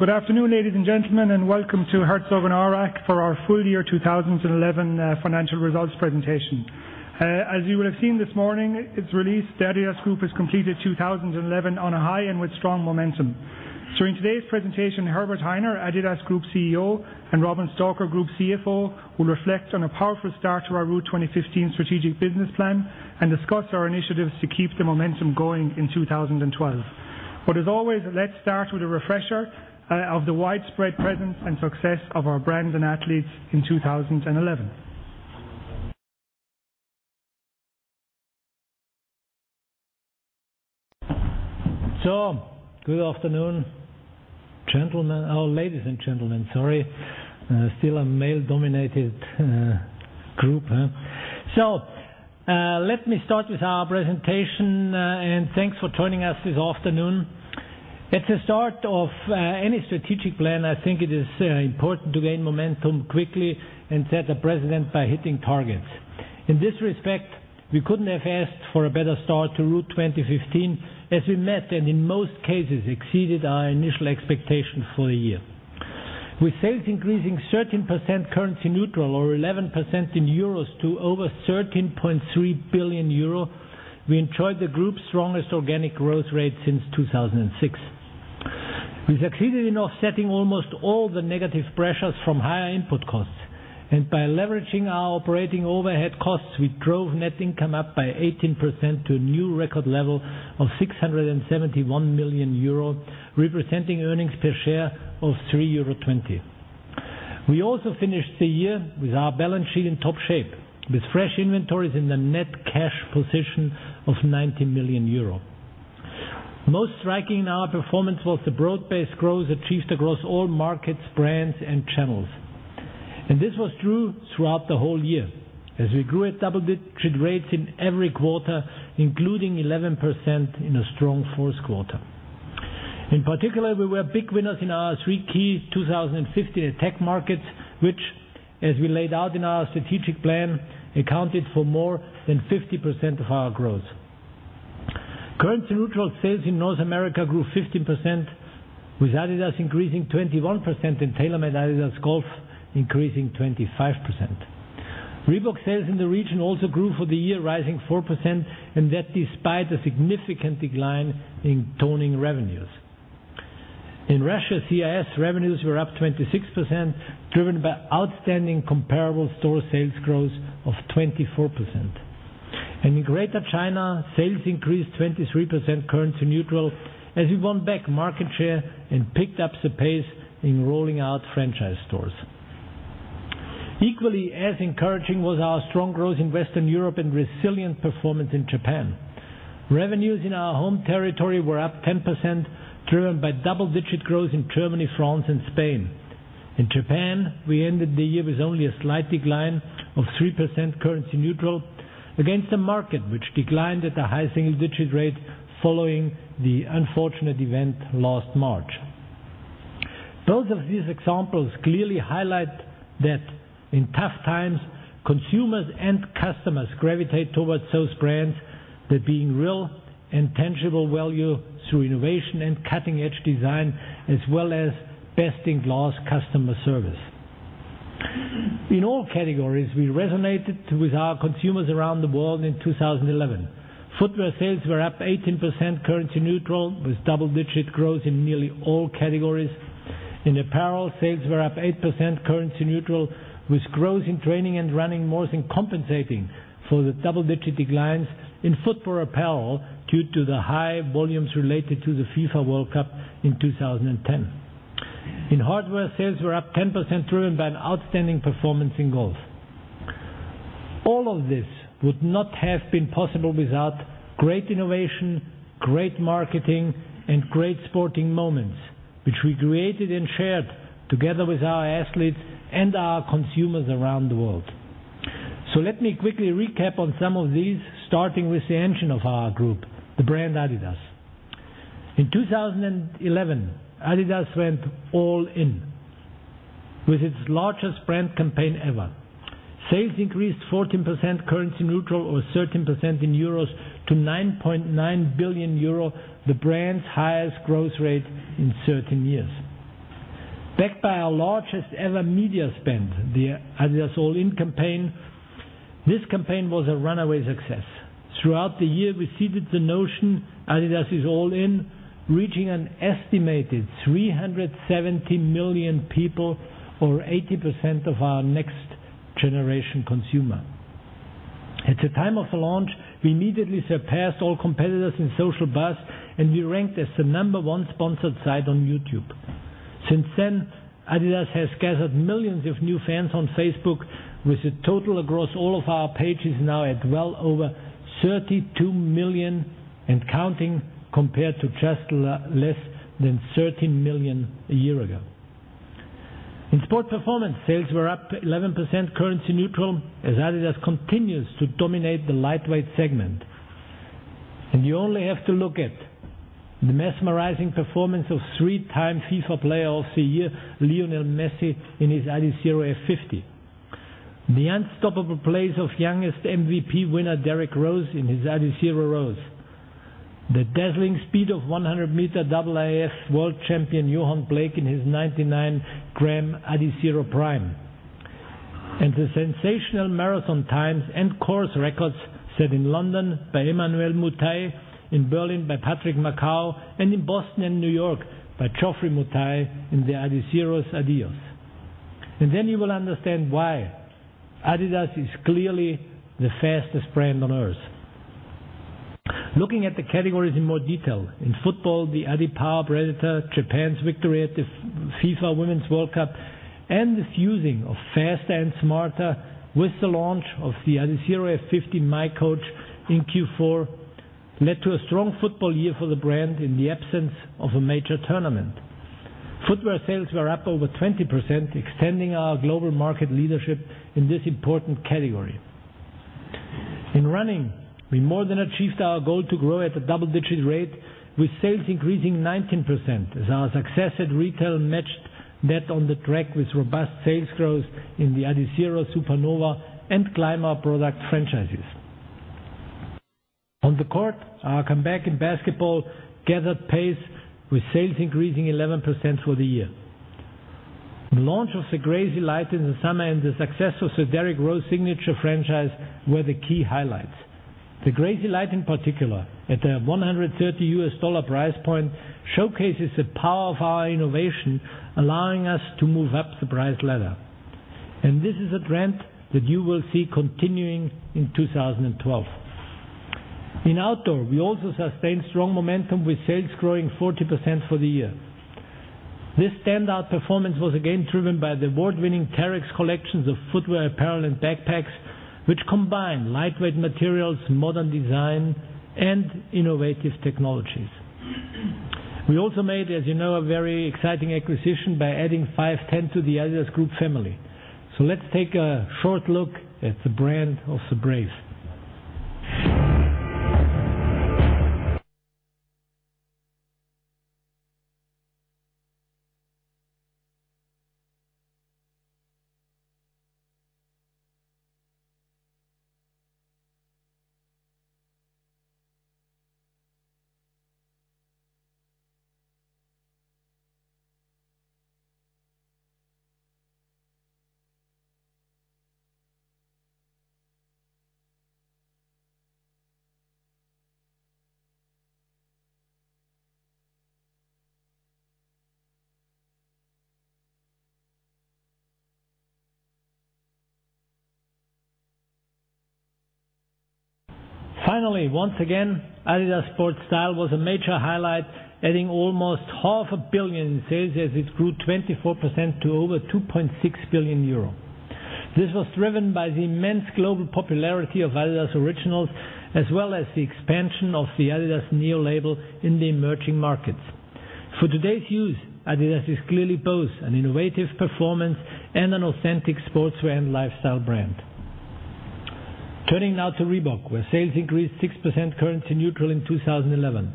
Good afternoon, ladies and gentlemen, and welcome to Herzogenaurach for our Full-Year 2011 Financial Results Presentation. As you will have seen this morning, it's released. The adidas Group has completed 2011 on a high and with strong momentum. During today's presentation, Herbert Hainer, adidas Group CEO, and Robin Stalker, Group CFO, will reflect on a powerful start to our Route 2015 strategic business plan and discuss our initiatives to keep the momentum going in 2012. As always, let's start with a refresher of the widespread presence and success of our brands and athletes in 2011. Tom, good afternoon. Our ladies and gentlemen, sorry. Still a male-dominated group. Let me start with our presentation, and thanks for joining us this afternoon. At the start of any strategic plan, I think it is important to gain momentum quickly and set a precedent by hitting targets. In this respect, we couldn't have asked for a better start to Route 2015 as we met and, in most cases, exceeded our initial expectations for the year. With sales increasing 13% currency neutral or 11% in euros to over 13.3 billion euro, we enjoyed the group's strongest organic growth rate since 2006. We succeeded in offsetting almost all the negative pressures from higher input costs, and by leveraging our operating overhead costs, we drove net income up by 18% to a new record level of 671 million euro, representing earnings per share of 3.20 euro. We also finished the year with our balance sheet in top shape, with fresh inventories in the net cash position of 90 million euro. Most striking in our performance was the broad-based growth achieved across all markets, brands, and channels. This was true throughout the whole year, as we grew at double-digit rates in every quarter, including 11% in a strong first quarter. In particular, we were big winners in our three key 2015 tech markets, which, as we laid out in our strategic plan, accounted for more than 50% of our growth. Currency neutral sales in North America grew 15%, with adidas increasing 21% and TaylorMade-adidas Golf increasing 25%. Reebok sales in the region also grew for the year, rising 4%, and that despite a significant decline in toning revenues. In Russia/CIS, revenues were up 26%, driven by outstanding comparable store sales growth of 24%. In Greater China, sales increased 23% currency neutral, as we won back market share and picked up the pace in rolling out franchise stores. Equally as encouraging was our strong growth in Western Europe and resilient performance in Japan. Revenues in our home territory were up 10%, driven by double-digit growth in Germany, France, and Spain. In Japan, we ended the year with only a slight decline of 3% currency neutral against a market which declined at a high single-digit rate following the unfortunate event last March. Both of these examples clearly highlight that in tough times, consumers and customers gravitate towards those brands that bring real and tangible value through innovation and cutting-edge design, as well as best-in-class customer service. In all categories, we resonated with our consumers around the world in 2011. Footwear sales were up 18% currency neutral, with double-digit growth in nearly all categories. In apparel, sales were up 8% currency neutral, with growth in training and running more than compensating for the double-digit declines in footwear apparel due to the high volumes related to the FIFA World Cup in 2010. In hardware, sales were up 10%, driven by an outstanding performance in golf. All of this would not have been possible without great innovation, great marketing, and great sporting moments, which we created and shared together with our athletes and our consumers around the world. Let me quickly recap on some of these, starting with the engine of our group, the brand adidas. In 2011, adidas went all in with its largest brand campaign ever. Sales increased 14% currency neutral or 13% in euros to 9.9 billion euro, the brand's highest growth rate in 13 years. Backed by our largest ever media spend, the adidas All In campaign, this campaign was a runaway success. Throughout the year, we seeded the notion adidas is all in, reaching an estimated 370 million people, or 80% of our next-generation consumer. At the time of the launch, we immediately surpassed all competitors in social buzz, and we ranked as the number one sponsored site on YouTube. Since then, adidas has gathered millions of new fans on Facebook, with the total across all of our pages now at well over 32 million and counting, compared to just less than 13 million a year ago. In sport performance, sales were up 11% currency neutral, as adidas continues to dominate the lightweight segment. You only have to look at the mesmerizing performance of three-time FIFA Player of the Year, Lionel Messi, in his Adizero F50. The unstoppable pace of youngest MVP winner Derrick Rose in his Adizero Rose. The dazzling speed of 100 m double-AAF world champion Yohan Blake in his 99 g Adizero Prime. The sensational marathon times and course records set in London by Emmanuel Mutai, in Berlin by Patrick Makau, and in Boston and New York by Geoffrey Mutai in the Adizero Adios. Then you will understand why adidas is clearly the fastest brand on Earth. Looking at the categories in more detail, in football, the adiPower Predator, Japan's victory at the FIFA Women's World Cup, and the fusing of faster and smarter with the launch of the Adizero F50 miCoach in Q4 led to a strong football year for the brand in the absence of a major tournament. Footwear sales were up over 20%, extending our global market leadership in this important category. In running, we more than achieved our goal to grow at a double-digit rate, with sales increasing 19%, as our success at retail matched that on the track with robust sales growth in the Adizero, Supernova, and Clima product franchises. On the court, our comeback in basketball gathered pace, with sales increasing 11% for the year. The launch of the Crazylight in the summer and the success of the Derrick Rose signature franchise were the key highlights. The Crazylight, in particular, at a $130 price point, showcases the power of our innovation, allowing us to move up the price ladder. This is a trend that you will see continuing in 2012. In outdoor, we also sustained strong momentum, with sales growing 40% for the year. This standout performance was again driven by the award-winning Terrex collections of footwear, apparel, and backpacks, which combine lightweight materials, modern design, and innovative technologies. We also made, as you know, a very exciting acquisition by adding Five Ten to the adidas Group family. Let's take a short look at the brand braces. Finally, once again, adidas Sport Style was a major highlight, adding almost 500 million in sales as it grew 24% to over 2.6 billion euro. This was driven by the immense global popularity of adidas Originals, as well as the expansion of the adidas NEO label in the emerging markets. For today's youth, adidas is clearly both an innovative performance and an authentic sportswear and lifestyle brand. Turning now to Reebok, where sales increased 6% currency neutral in 2011.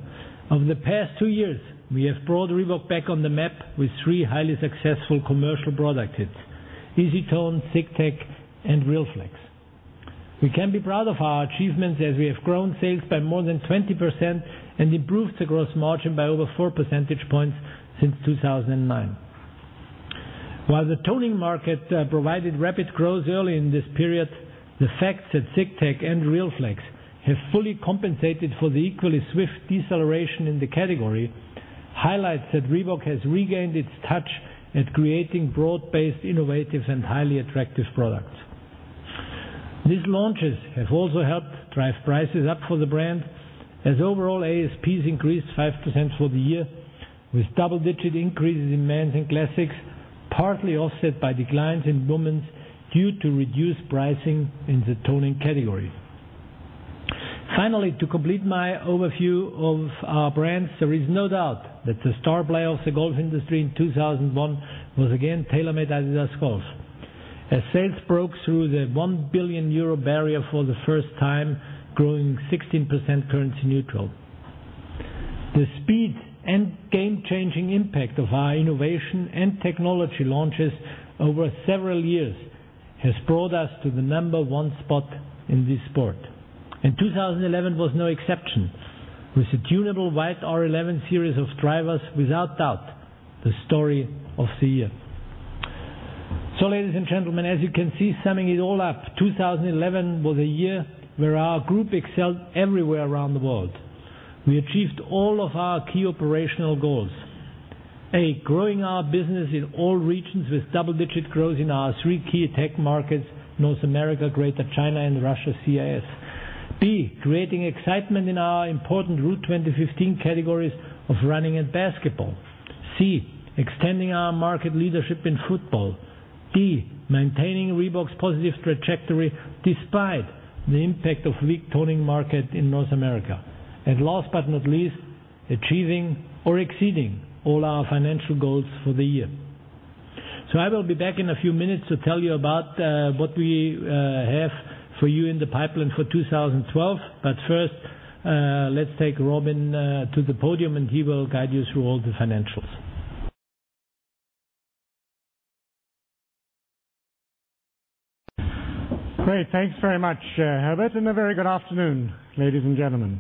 Over the past two years, we have brought Reebok back on the map with three highly successful commercial product hits: EasyTone, ZigTech, and RealFlex. We can be proud of our achievements as we have grown sales by more than 20% and improved the gross margin by over 4 percentage points since 2009. While the toning market provided rapid growth early in this period, the fact that ZigTech and RealFlex have fully compensated for the equally swift deceleration in the category highlights that Reebok has regained its touch at creating broad-based, innovative, and highly attractive products. These launches have also helped drive prices up for the brand, as overall ASPs increased 5% for the year, with double-digit increases in men's and classics, partly offset by declines in women's due to reduced pricing in the toning category. Finally, to complete my overview of our brands, there is no doubt that the star player of the golf industry in 2011 was again TaylorMade-adidas Golf, as sales broke through the 1 billion euro barrier for the first time, growing 16% currency neutral. The speed and game-changing impact of our innovation and technology launches over several years have brought us to the number one spot in this sport. 2011 was no exception, with the tunable white R11 series of drivers, without doubt, the story of the year. Ladies and gentlemen, as you can see, summing it all up, 2011 was a year where our group excelled everywhere around the world. We achieved all of our key operational goals: A, growing our business in all regions with double-digit growth in our three key tech markets: North America, Greater China, and Russia/CIS; B, creating excitement in our important Route 2015 categories of running and basketball; C, extending our market leadership in football; D, maintaining Reebok's positive trajectory despite the impact of the weak toning market in North America; and last but not least, achieving or exceeding all our financial goals for the year. I will be back in a few minutes to tell you about what we have for you in the pipeline for 2012. First, let's take Robin to the podium, and he will guide you through all the financials. Great, thanks very much, Herbert, and a very good afternoon, ladies and gentlemen.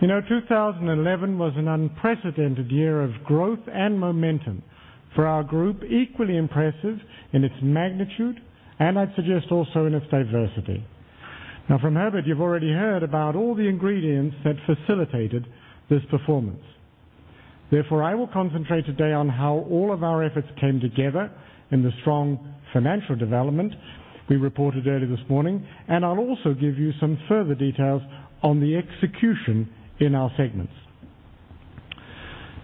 You know, 2011 was an unprecedented year of growth and momentum for our group, equally impressive in its magnitude, and I'd suggest also in its diversity. Now, from Herbert, you've already heard about all the ingredients that facilitated this performance. Therefore, I will concentrate today on how all of our efforts came together in the strong financial development we reported earlier this morning, and I'll also give you some further details on the execution in our segments.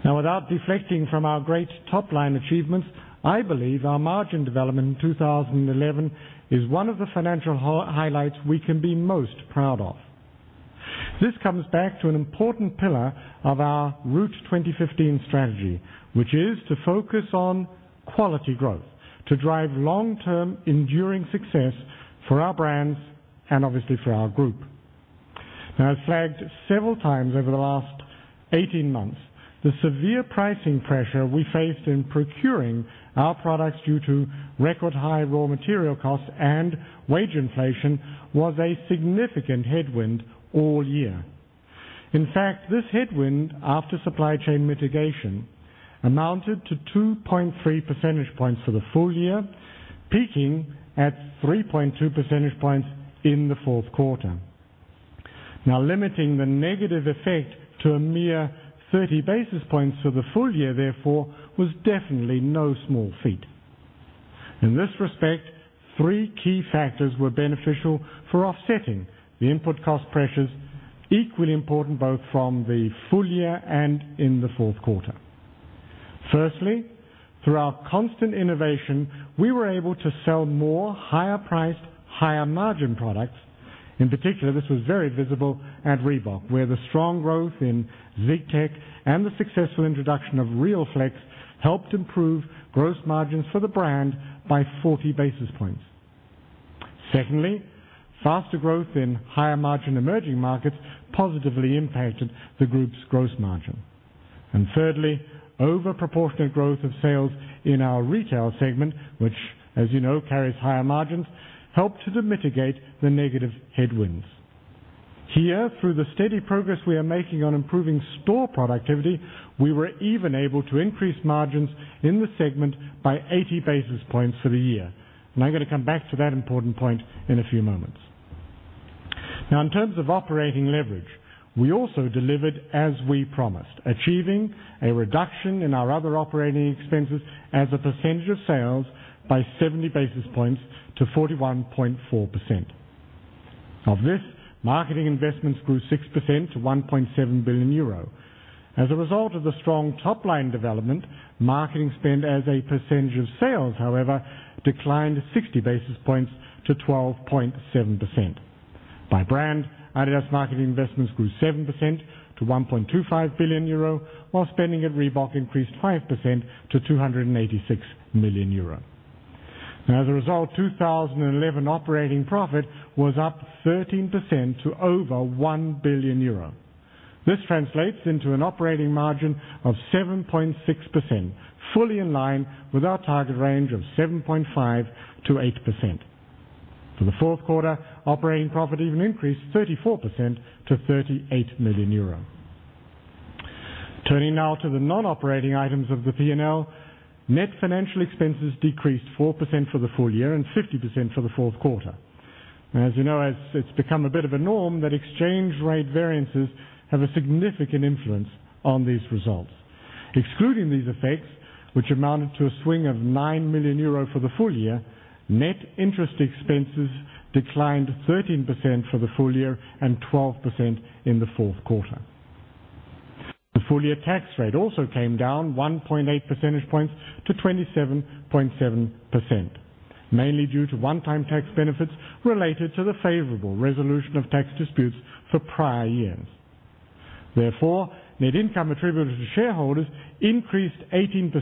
Now, without deflecting from our great top-line achievements, I believe our margin development in 2011 is one of the financial highlights we can be most proud of. This comes back to an important pillar of our Route 2015 strategy, which is to focus on quality growth to drive long-term enduring success for our brands and obviously for our group. Now, I've flagged several times over the last 18 months the severe pricing pressure we faced in procuring our products due to record-high raw material costs and wage inflation was a significant headwind all year. In fact, this headwind, after supply chain mitigation, amounted to 2.3 percentage points for the full year, peaking at 3.2 percentage points in the fourth quarter. Limiting the negative effect to a mere 30 basis points for the full year, therefore, was definitely no small feat. In this respect, three key factors were beneficial for offsetting the input cost pressures, equally important both from the full year and in the fourth quarter. Firstly, through our constant innovation, we were able to sell more higher-priced, higher-margin products. In particular, this was very visible at Reebok, where the strong growth in ZigTech and the successful introduction of RealFlex helped improve gross margins for the brand by 40 basis points. Secondly, faster growth in higher-margin emerging markets positively impacted the group's gross margin. Thirdly, overproportionate growth of sales in our retail segment, which, as you know, carries higher margins, helped to mitigate the negative headwinds. Here, through the steady progress we are making on improving store productivity, we were even able to increase margins in the segment by 80 basis points for the year. I'm going to come back to that important point in a few moments. Now, in terms of operating leverage, we also delivered as we promised, achieving a reduction in our other operating expenses as a percentage of sales by 70 basis points to 41.4%. Of this, marketing investments grew 6% to 1.7 billion euro. As a result of the strong top-line development, marketing spend as a percentage of sales, however, declined 60 basis points to 12.7%. By brand, adidas marketing investments grew 7% to 1.25 billion euro, while spending at Reebok increased 5% to 286 million euro. As a result, 2011 operating profit was up 13% to over 1 billion euro. This translates into an operating margin of 7.6%, fully in line with our target range of 7.5%-8%. For the fourth quarter, operating profit even increased 34% to 38 million euro. Turning now to the non-operating items of the P&L, net financial expenses decreased 4% for the full year and 50% for the fourth quarter. As you know, it's become a bit of a norm that exchange rate variances have a significant influence on these results. Excluding these effects, which amounted to a swing of 9 million euro for the full year, net interest expenses declined 13% for the full year and 12% in the fourth quarter. The full-year tax rate also came down 1.8 percentage points to 27.7%, mainly due to one-time tax benefits related to the favorable resolution of tax disputes for prior years. Therefore, net income attributed to shareholders increased 18%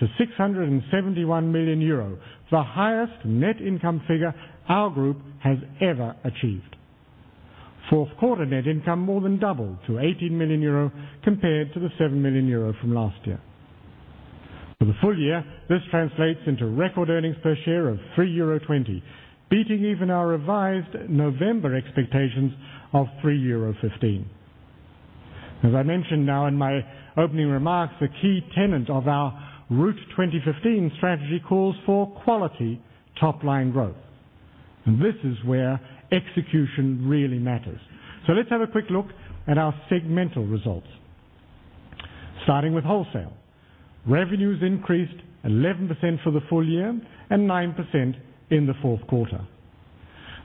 to 671 million euro, the highest net income figure our group has ever achieved. Fourth quarter net income more than doubled to 18 million euro compared to the 7 million euro from last year. For the full year, this translates into record earnings per share of 3.20 euro, beating even our revised November expectations of 3.15 euro. As I mentioned in my opening remarks, the key tenet of our Route 2015 strategy calls for quality top-line growth. This is where execution really matters. Let's have a quick look at our segmental results. Starting with wholesale, revenues increased 11% for the full year and 9% in the fourth quarter.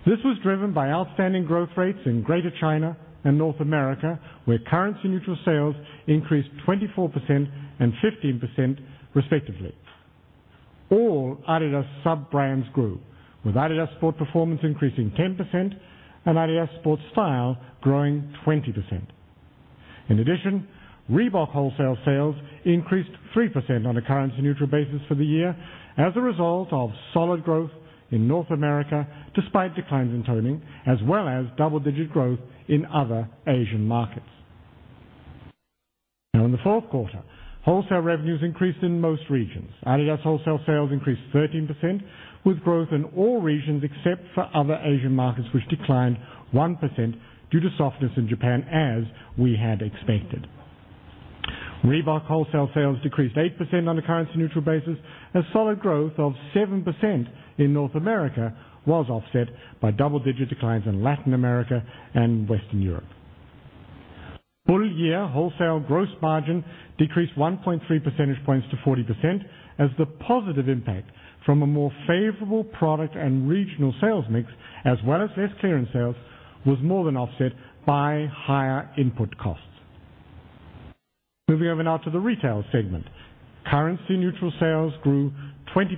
This was driven by outstanding growth rates in Greater China and North America, where currency-neutral sales increased 24% and 15% respectively. All adidas sub-brands grew, with adidas Sport Performance increasing 10% and adidas Sport Style growing 20%. In addition, Reebok wholesale sales increased 3% on a currency-neutral basis for the year as a result of solid growth in North America despite declines in toning, as well as double-digit growth in other Asian markets. Now, in the fourth quarter, wholesale revenues increased in most regions. adidas wholesale sales increased 13%, with growth in all regions except for other Asian markets, which declined 1% due to softness in Japan, as we had expected. Reebok wholesale sales decreased 8% on a currency-neutral basis, as solid growth of 7% in North America was offset by double-digit declines in Latin America and Western Europe. Full-year wholesale gross margin decreased 1.3 percentage points to 40%, as the positive impact from a more favorable product and regional sales mix, as well as less clearance sales, was more than offset by higher input costs. Moving over now to the retail segment, currency-neutral sales grew 20%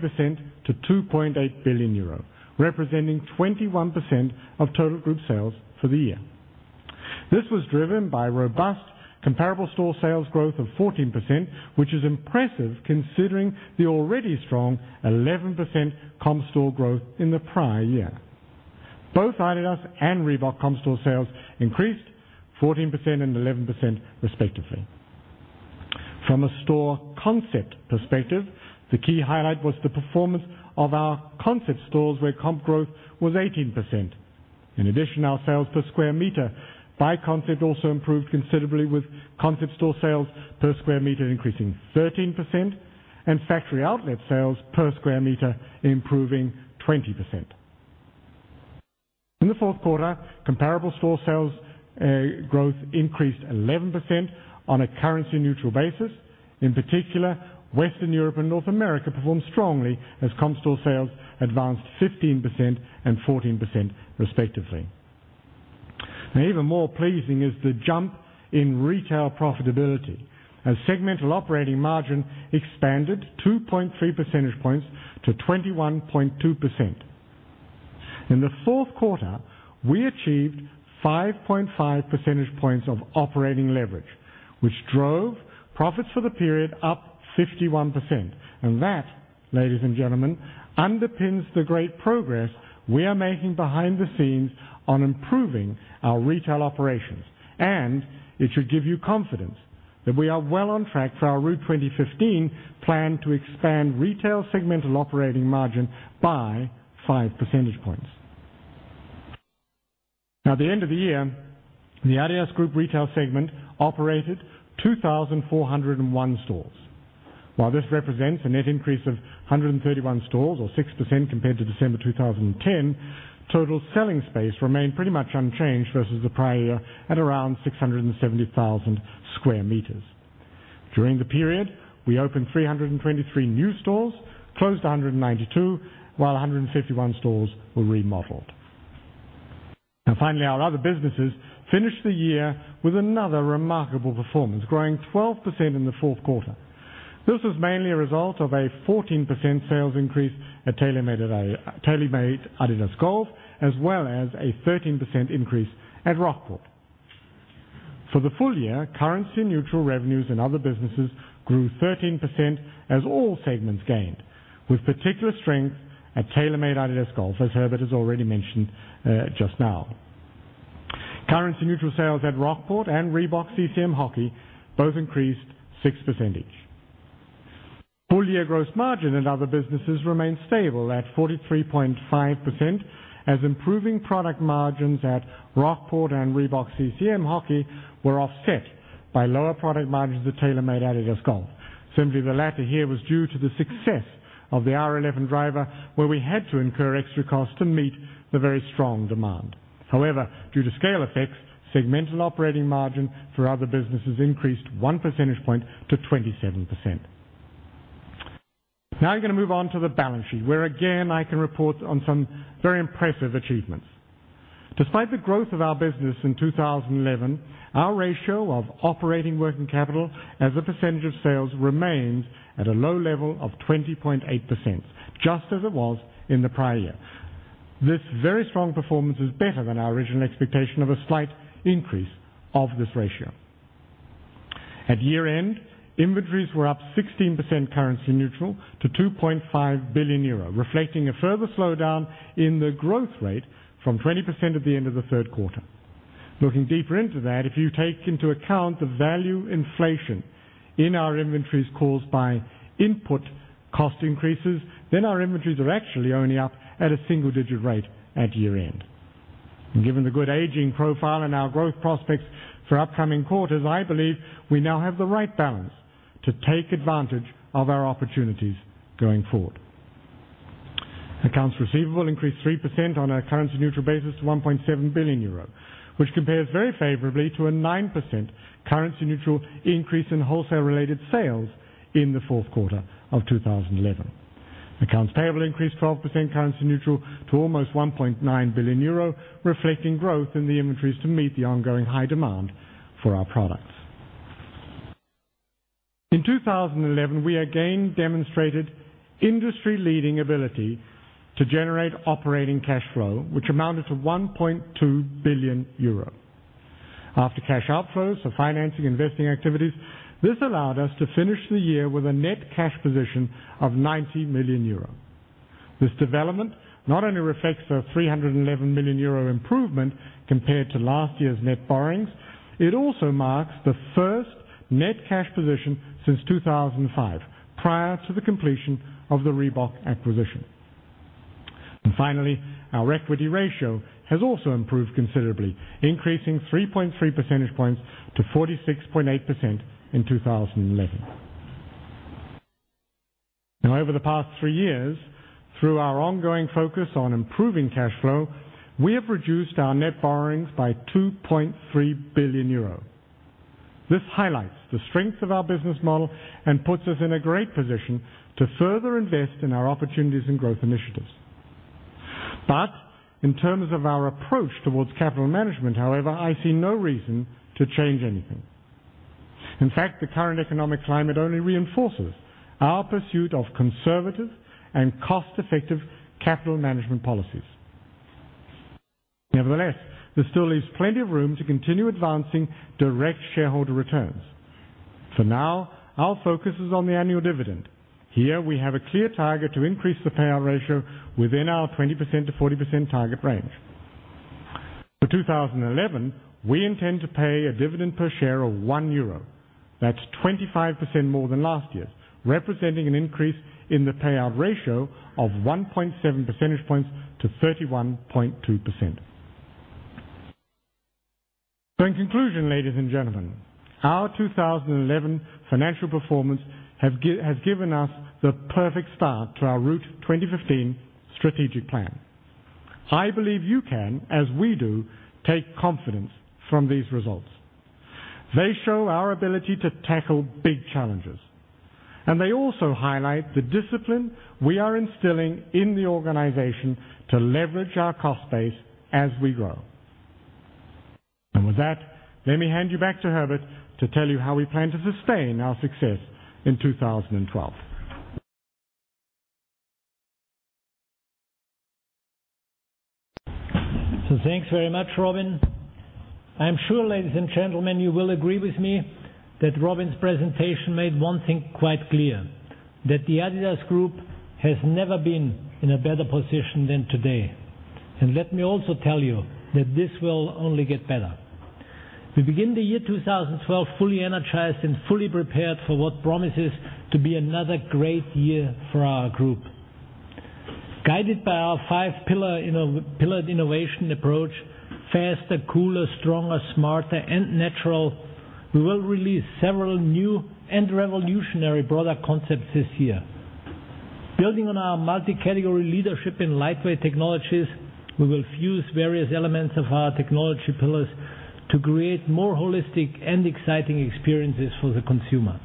to 2.8 billion euro, representing 21% of total group sales for the year. This was driven by robust comparable store sales growth of 14%, which is impressive considering the already strong 11% comp-store growth in the prior year. Both adidas and Reebok comp-store sales increased 14% and 11% respectively. From a store concept perspective, the key highlight was the performance of our concept stores, where comp growth was 18%. In addition, our sales per square meter by concept also improved considerably, with concept store sales per square meter increasing 13% and factory outlet sales per square meter improving 20%. In the fourth quarter, comparable store sales growth increased 11% on a currency-neutral basis. In particular, Western Europe and North America performed strongly, as comp-store sales advanced 15% and 14% respectively. Even more pleasing is the jump in retail profitability, as segmental operating margin expanded 2.3 percentage points to 21.2%. In the fourth quarter, we achieved 5.5 percentage points of operating leverage, which drove profits for the period up 51%. That, ladies and gentlemen, underpins the great progress we are making behind the scenes on improving our retail operations. It should give you confidence that we are well on track for our Route 2015 plan to expand retail segmental operating margin by 5 percentage points. At the end of the year, the adidas Group retail segment operated 2,401 stores. While this represents a net increase of 131 stores, or 6% compared to December 2010, total selling space remained pretty much unchanged versus the prior year at around 670,000 m². During the period, we opened 323 new stores, closed 192, while 151 stores were remodeled. Finally, our other businesses finished the year with another remarkable performance, growing 12% in the fourth quarter. This was mainly a result of a 14% sales increase at TaylorMade-adidas Golf, as well as a 13% increase at Rockport. For the full year, currency-neutral revenues in other businesses grew 13% as all segments gained, with particular strength at TaylorMade-adidas Golf, as Herbert has already mentioned just now. Currency-neutral sales at Rockport and Reebok CCM Hockey both increased 6% each. Full-year gross margin in other businesses remained stable at 43.5%, as improving product margins at Rockport and Reebok-CCM Hockey were offset by lower product margins at TaylorMade-adidas Golf. The latter here was due to the success of the R11 driver, where we had to incur extra costs to meet the very strong demand. However, due to scale effects, segmental operating margin for other businesses increased 1 percentage point to 27%. Now, I'm going to move on to the balance sheet, where again I can report on some very impressive achievements. Despite the growth of our business in 2011, our ratio of operating working capital as a percentage of sales remains at a low level of 20.8%, just as it was in the prior year. This very strong performance is better than our original expectation of a slight increase of this ratio. At year end, inventories were up 16% currency-neutral to 2.5 billion euro, reflecting a further slowdown in the growth rate from 20% at the end of the third quarter. Looking deeper into that, if you take into account the value inflation in our inventories caused by input cost increases, then our inventories are actually only up at a single-digit rate at year end. Given the good aging profile and our growth prospects for upcoming quarters, I believe we now have the right balance to take advantage of our opportunities going forward. Accounts receivable increased 3% on a currency-neutral basis to 1.7 billion euro, which compares very favorably to a 9% currency-neutral increase in wholesale-related sales in the fourth quarter of 2011. Accounts payable increased 12% currency-neutral to almost 1.9 billion euro, reflecting growth in the inventories to meet the ongoing high demand for our products. In 2011, we again demonstrated industry-leading ability to generate operating cash flow, which amounted to 1.2 billion euro. After cash outflows for financing and investing activities, this allowed us to finish the year with a net cash position of 90 million euro. This development not only reflects the 311 million euro improvement compared to last year's net borrowings, it also marks the first net cash position since 2005, prior to the completion of the Reebok acquisition. Finally, our equity ratio has also improved considerably, increasing 3.3 percentage points to 46.8% in 2011. Now, over the past three years, through our ongoing focus on improving cash flow, we have reduced our net borrowings by 2.3 billion euro. This highlights the strength of our business model and puts us in a great position to further invest in our opportunities and growth initiatives. In terms of our approach towards capital management, however, I see no reason to change anything. In fact, the current economic climate only reinforces our pursuit of conservative and cost-effective capital management policies. Nevertheless, this still leaves plenty of room to continue advancing direct shareholder returns. For now, our focus is on the annual dividend. Here, we have a clear target to increase the payout ratio within our 20%-40% target range. For 2011, we intend to pay a dividend per share of 1 euro. That's 25% more than last year's, representing an increase in the payout ratio of 1.7 percentage points to 31.2%. In conclusion, ladies and gentlemen, our 2011 financial performance has given us the perfect start to our Route 2015 strategic plan. I believe you can, as we do, take confidence from these results. They show our ability to tackle big challenges. They also highlight the discipline we are instilling in the organization to leverage our cost base as we grow. With that, let me hand you back to Herbert to tell you how we plan to sustain our success in 2012. Thank you very much, Robin. I'm sure, ladies and gentlemen, you will agree with me that Robin's presentation made one thing quite clear, that the adidas Group has never been in a better position than today. Let me also tell you that this will only get better. We begin the year 2012 fully energized and fully prepared for what promises to be another great year for our group. Guided by our five-pillared innovation approach: faster, cooler, stronger, smarter, and natural, we will release several new and revolutionary product concepts this year. Building on our multi-category leadership in lightweight technologies, we will fuse various elements of our technology pillars to create more holistic and exciting experiences for the consumer.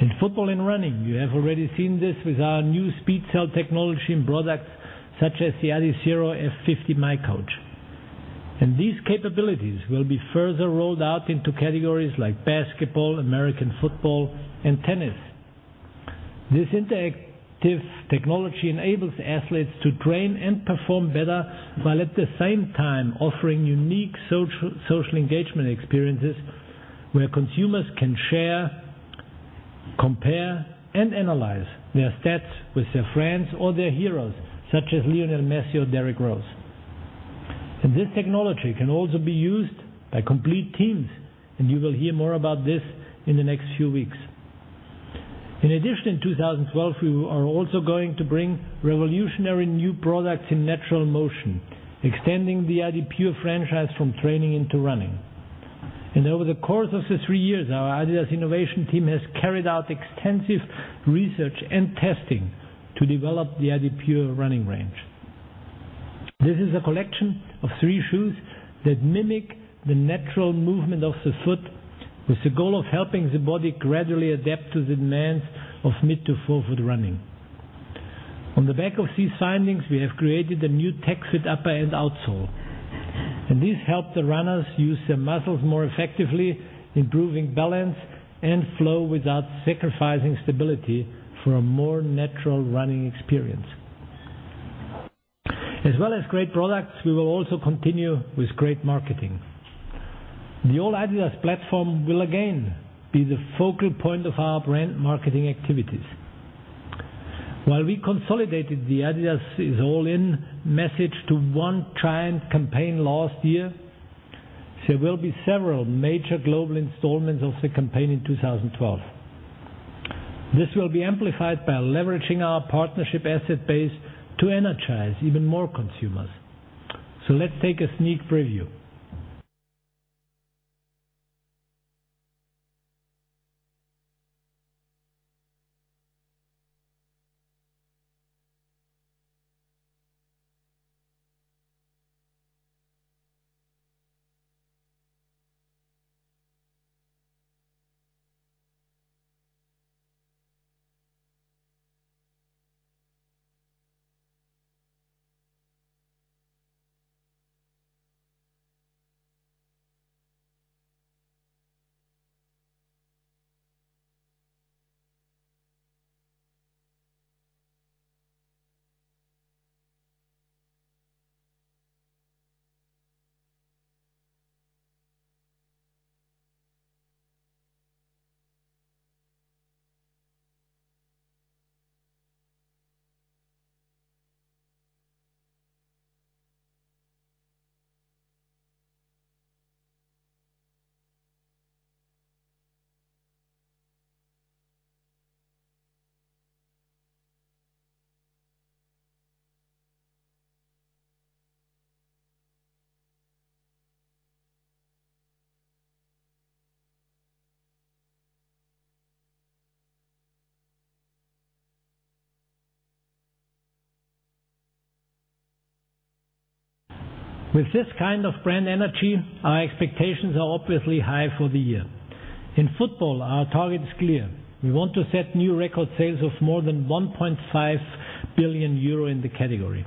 In football and running, you have already seen this with our new speed cell technology and products such as the Adizero F50 miCoach. These capabilities will be further rolled out into categories like basketball, American football, and tennis. This interactive technology enables athletes to train and perform better while at the same time offering unique social engagement experiences where consumers can share, compare, and analyze their stats with their friends or their heroes, such as Lionel Messi or Derrick Rose. This technology can also be used by complete teams, and you will hear more about this in the next few weeks. In addition, in 2012, we are also going to bring revolutionary new products in natural motion, extending the AdiPURE franchise from training into running. Over the course of the three years, our adidas innovation team has carried out extensive research and testing to develop the AdiPURE running range. This is a collection of three shoes that mimic the natural movement of the foot with the goal of helping the body gradually adapt to the demands of mid to forefoot running. On the back of these findings, we have created a new TechFit upper and outsole. These help the runners use their muscles more effectively, improving balance and flow without sacrificing stability for a more natural running experience. As well as great products, we will also continue with great marketing. The All adidas platform will again be the focal point of our brand marketing activities. While we consolidated the adidas is all in message to one triumphant campaign last year, there will be several major global installments of the campaign in 2012. This will be amplified by leveraging our partnership asset base to energize even more consumers. Let's take a sneak preview. With this kind of brand energy, our expectations are obviously high for the year. In football, our target is clear. We want to set new record sales of more than 1.5 billion euro in the category,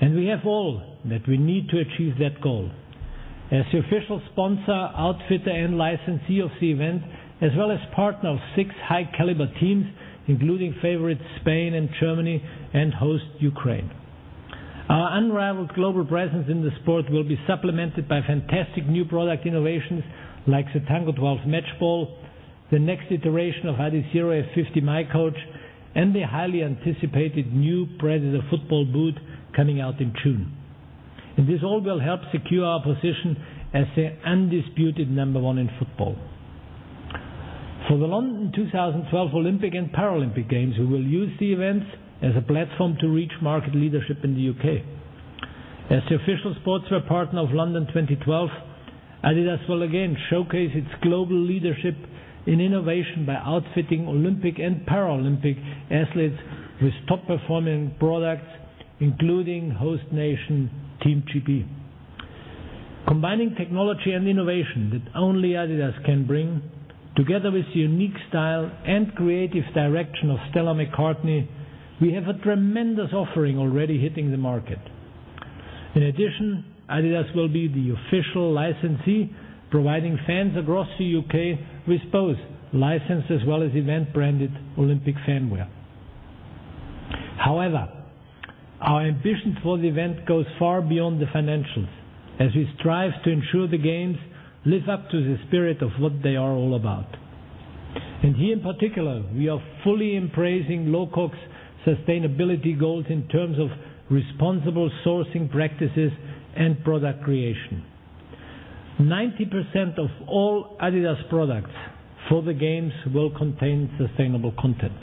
and we have all that we need to achieve that goal. As the official sponsor, outfitter, and licensee of the event, as well as partner of six high-caliber teams, including favorites Spain and Germany and host Ukraine, our unrivaled global presence in the sport will be supplemented by fantastic new product innovations like the Tango 12 match ball, the next iteration of Adizero F50 miCoach, and the highly anticipated new Predator football boot coming out in June. This all will help secure our position as the undisputed number one in football. For the London 2012 Olympic and Paralympic Games, we will use the events as a platform to reach market leadership in the UK. As the official sportswear partner of London 2012, adidas will again showcase its global leadership in innovation by outfitting Olympic and Paralympic athletes with top-performing products, including host nation Team GB. Combining technology and innovation that only adidas can bring, together with the unique style and creative direction of Stella McCartney, we have a tremendous offering already hitting the market. In addition, adidas will be the official licensee, providing fans across the U.K. with both licensed as well as event-branded Olympic fanware. However, our ambitions for the event go far beyond the financials, as we strive to ensure the games live up to the spirit of what they are all about. Here in particular, we are fully embracing LOCOG's sustainability goals in terms of responsible sourcing practices and product creation. 90% of all adidas products for the games will contain sustainable content.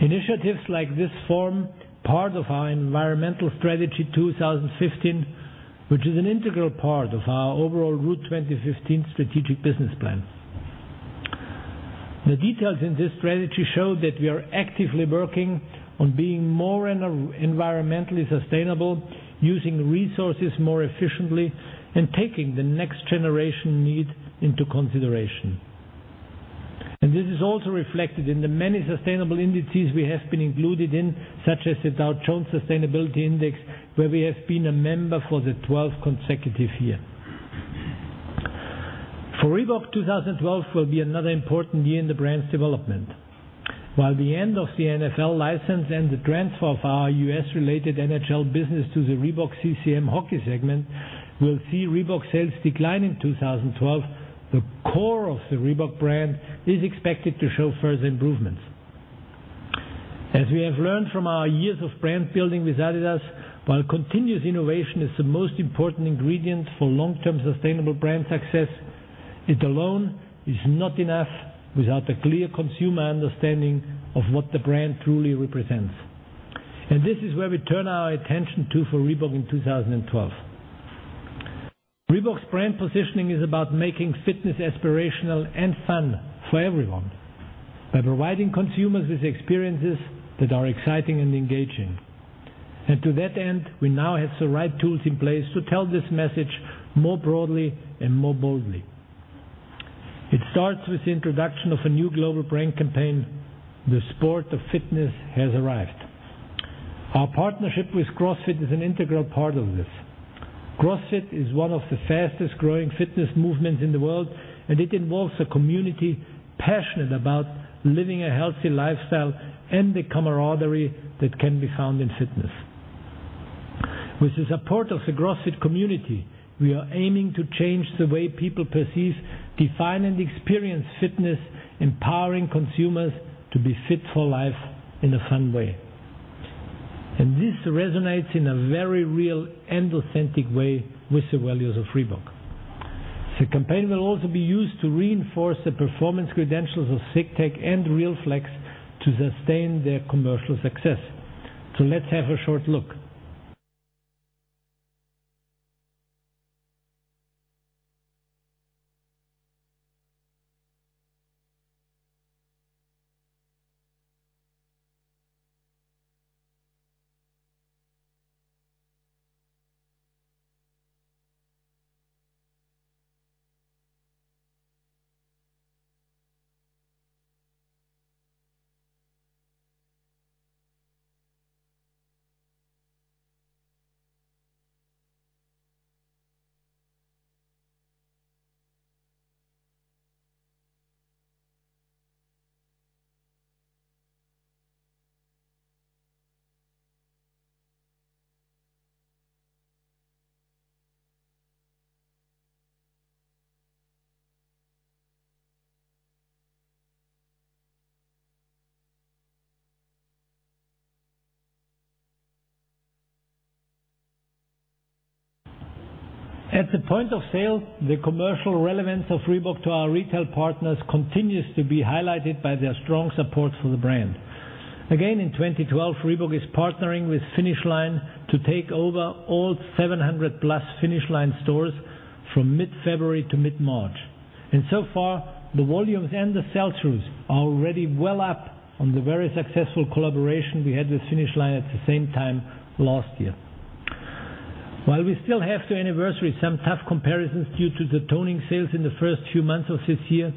Initiatives like this form part of our Environmental Strategy 2015, which is an integral part of our overall Route 2015 strategic business plan. The details in this strategy show that we are actively working on being more environmentally sustainable, using resources more efficiently, and taking the next-generation need into consideration. This is also reflected in the many sustainable indices we have been included in, such as the Dow Jones Sustainability Index, where we have been a member for the 12th consecutive year. For Reebok, 2012 will be another important year in the brand's development. While the end of the NFL license and the transfer of our U.S.-related NHL business to the Reebok CCM Hockey segment will see Reebok sales decline in 2012, the core of the Reebok brand is expected to show further improvements. As we have learned from our years of brand building with adidas, while continuous innovation is the most important ingredient for long-term sustainable brand success, it alone is not enough without a clear consumer understanding of what the brand truly represents. This is where we turn our attention to for Reebok in 2012. Reebok's brand positioning is about making fitness aspirational and fun for everyone by providing consumers with experiences that are exciting and engaging. To that end, we now have the right tools in place to tell this message more broadly and more boldly. It starts with the introduction of a new global brand campaign, "The Sport of Fitness Has Arrived." Our partnership with CrossFit is an integral part of this. CrossFit is one of the fastest-growing fitness movements in the world, and it involves a community passionate about living a healthy lifestyle and the camaraderie that can be found in fitness. With the support of the CrossFit community, we are aiming to change the way people perceive, define, and experience fitness, empowering consumers to be fit for life in a fun way. This resonates in a very real and authentic way with the values of Reebok. The campaign will also be used to reinforce the performance credentials of ZigTech and RealFlex to sustain their commercial success. Let's have a short look. At the point of sale, the commercial relevance of Reebok to our retail partners continues to be highlighted by their strong support for the brand. In 2012, Reebok is partnering with Finish Line to take over all 700+ Finish Line stores from mid-February to mid-March. So far, the volumes and the sales shows are already well up on the very successful collaboration we had with Finish Line at the same time last year. While we still have to anniversary some tough comparisons due to the toning sales in the first few months of this year,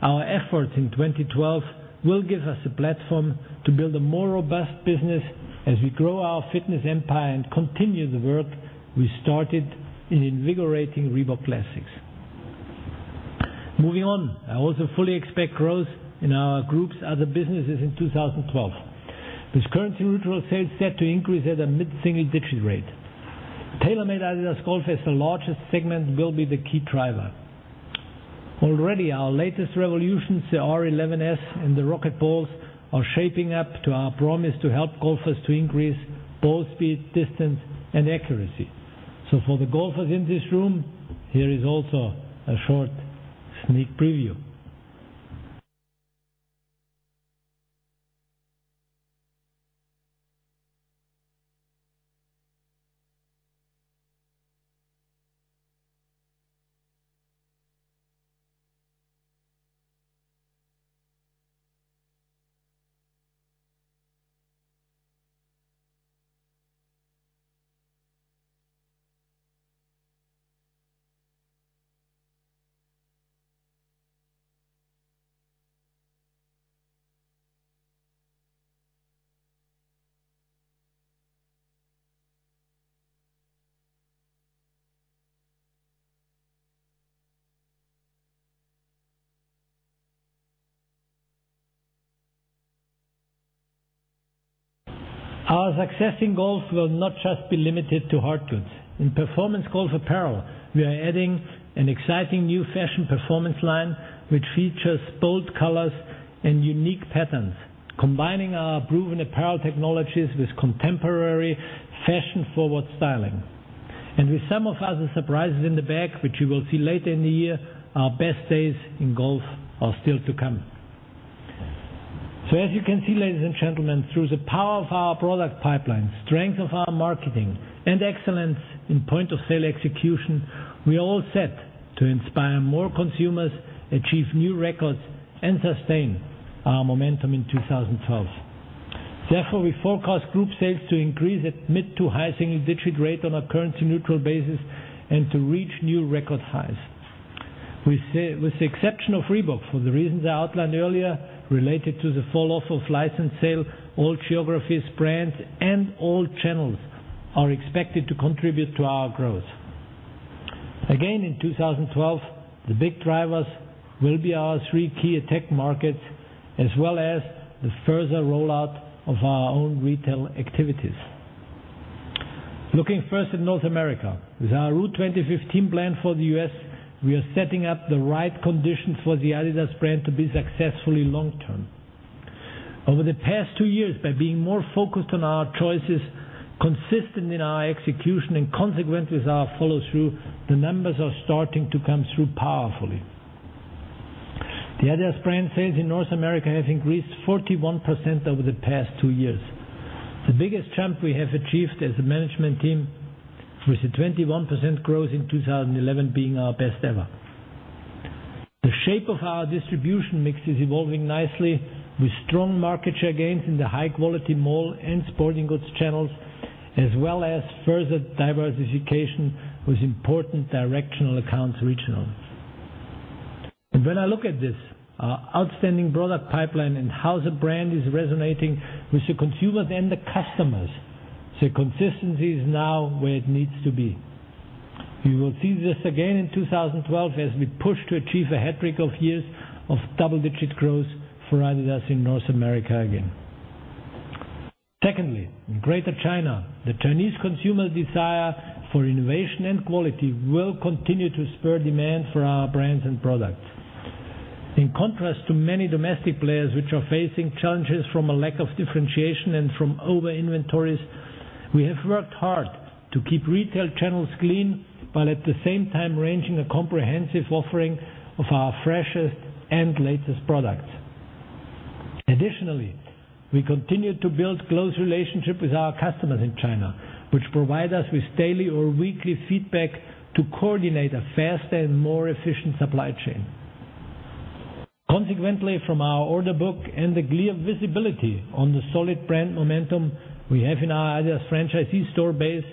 our efforts in 2012 will give us a platform to build a more robust business as we grow our fitness empire and continue the work we started in invigorating Reebok classics. Moving on, I also fully expect growth in our group's other businesses in 2012, with currency-neutral sales set to increase at a mid-single-digit rate. TaylorMade-adidas Golf as the largest segment will be the key driver. Already, our latest revolutions, the R11s and the RocketBallz, are shaping up to our promise to help golfers to increase ball speed, distance, and accuracy. For the golfers in this room, here is also a short sneak preview. Our success in golf will not just be limited to hard goods. In performance golf apparel, we are adding an exciting new fashion performance line, which features bold colors and unique patterns, combining our proven apparel technologies with contemporary fashion-forward styling. With some of us and surprises in the back, which you will see later in the year, our best days in golf are still to come. As you can see, ladies and gentlemen, through the power of our product pipeline, strength of our marketing, and excellence in point-of-sale execution, we are all set to inspire more consumers, achieve new records, and sustain our momentum in 2012. Therefore, we forecast group sales to increase at a mid to high single-digit rate on a currency-neutral basis and to reach new record highs. With the exception of Reebok, for the reasons I outlined earlier, related to the fall-off of license sale, all geographies, brands, and all channels are expected to contribute to our growth. Again, in 2012, the big drivers will be our three key tech markets, as well as the further rollout of our own retail activities. Looking first at North America, with our Route 2015 plan for the U.S., we are setting up the right conditions for the adidas brand to be successful long-term. Over the past two years, by being more focused on our choices, consistent in our execution, and consequent with our follow-through, the numbers are starting to come through powerfully. The adidas brand sales in North America have increased 41% over the past two years. The biggest jump we have achieved as a management team with the 21% growth in 2011 being our best ever. The shape of our distribution mix is evolving nicely, with strong market share gains in the high-quality mall and sporting goods channels, as well as further diversification with important directional accounts regionally. When I look at this, our outstanding product pipeline and how the brand is resonating with the consumers and the customers, the consistency is now where it needs to be. You will see this again in 2012 as we push to achieve a hat-trick of years of double-digit growth for adidas in North America again. Secondly, in Greater China, the Chinese consumer's desire for innovation and quality will continue to spur demand for our brands and products. In contrast to many domestic players, which are facing challenges from a lack of differentiation and from over-inventories, we have worked hard to keep retail channels clean, while at the same time arranging a comprehensive offering of our fresher and latest products. Additionally, we continue to build a close relationship with our customers in China, which provides us with daily or weekly feedback to coordinate a faster and more efficient supply chain. Consequently, from our order book and the clear visibility on the solid brand momentum we have in our adidas franchisee store base,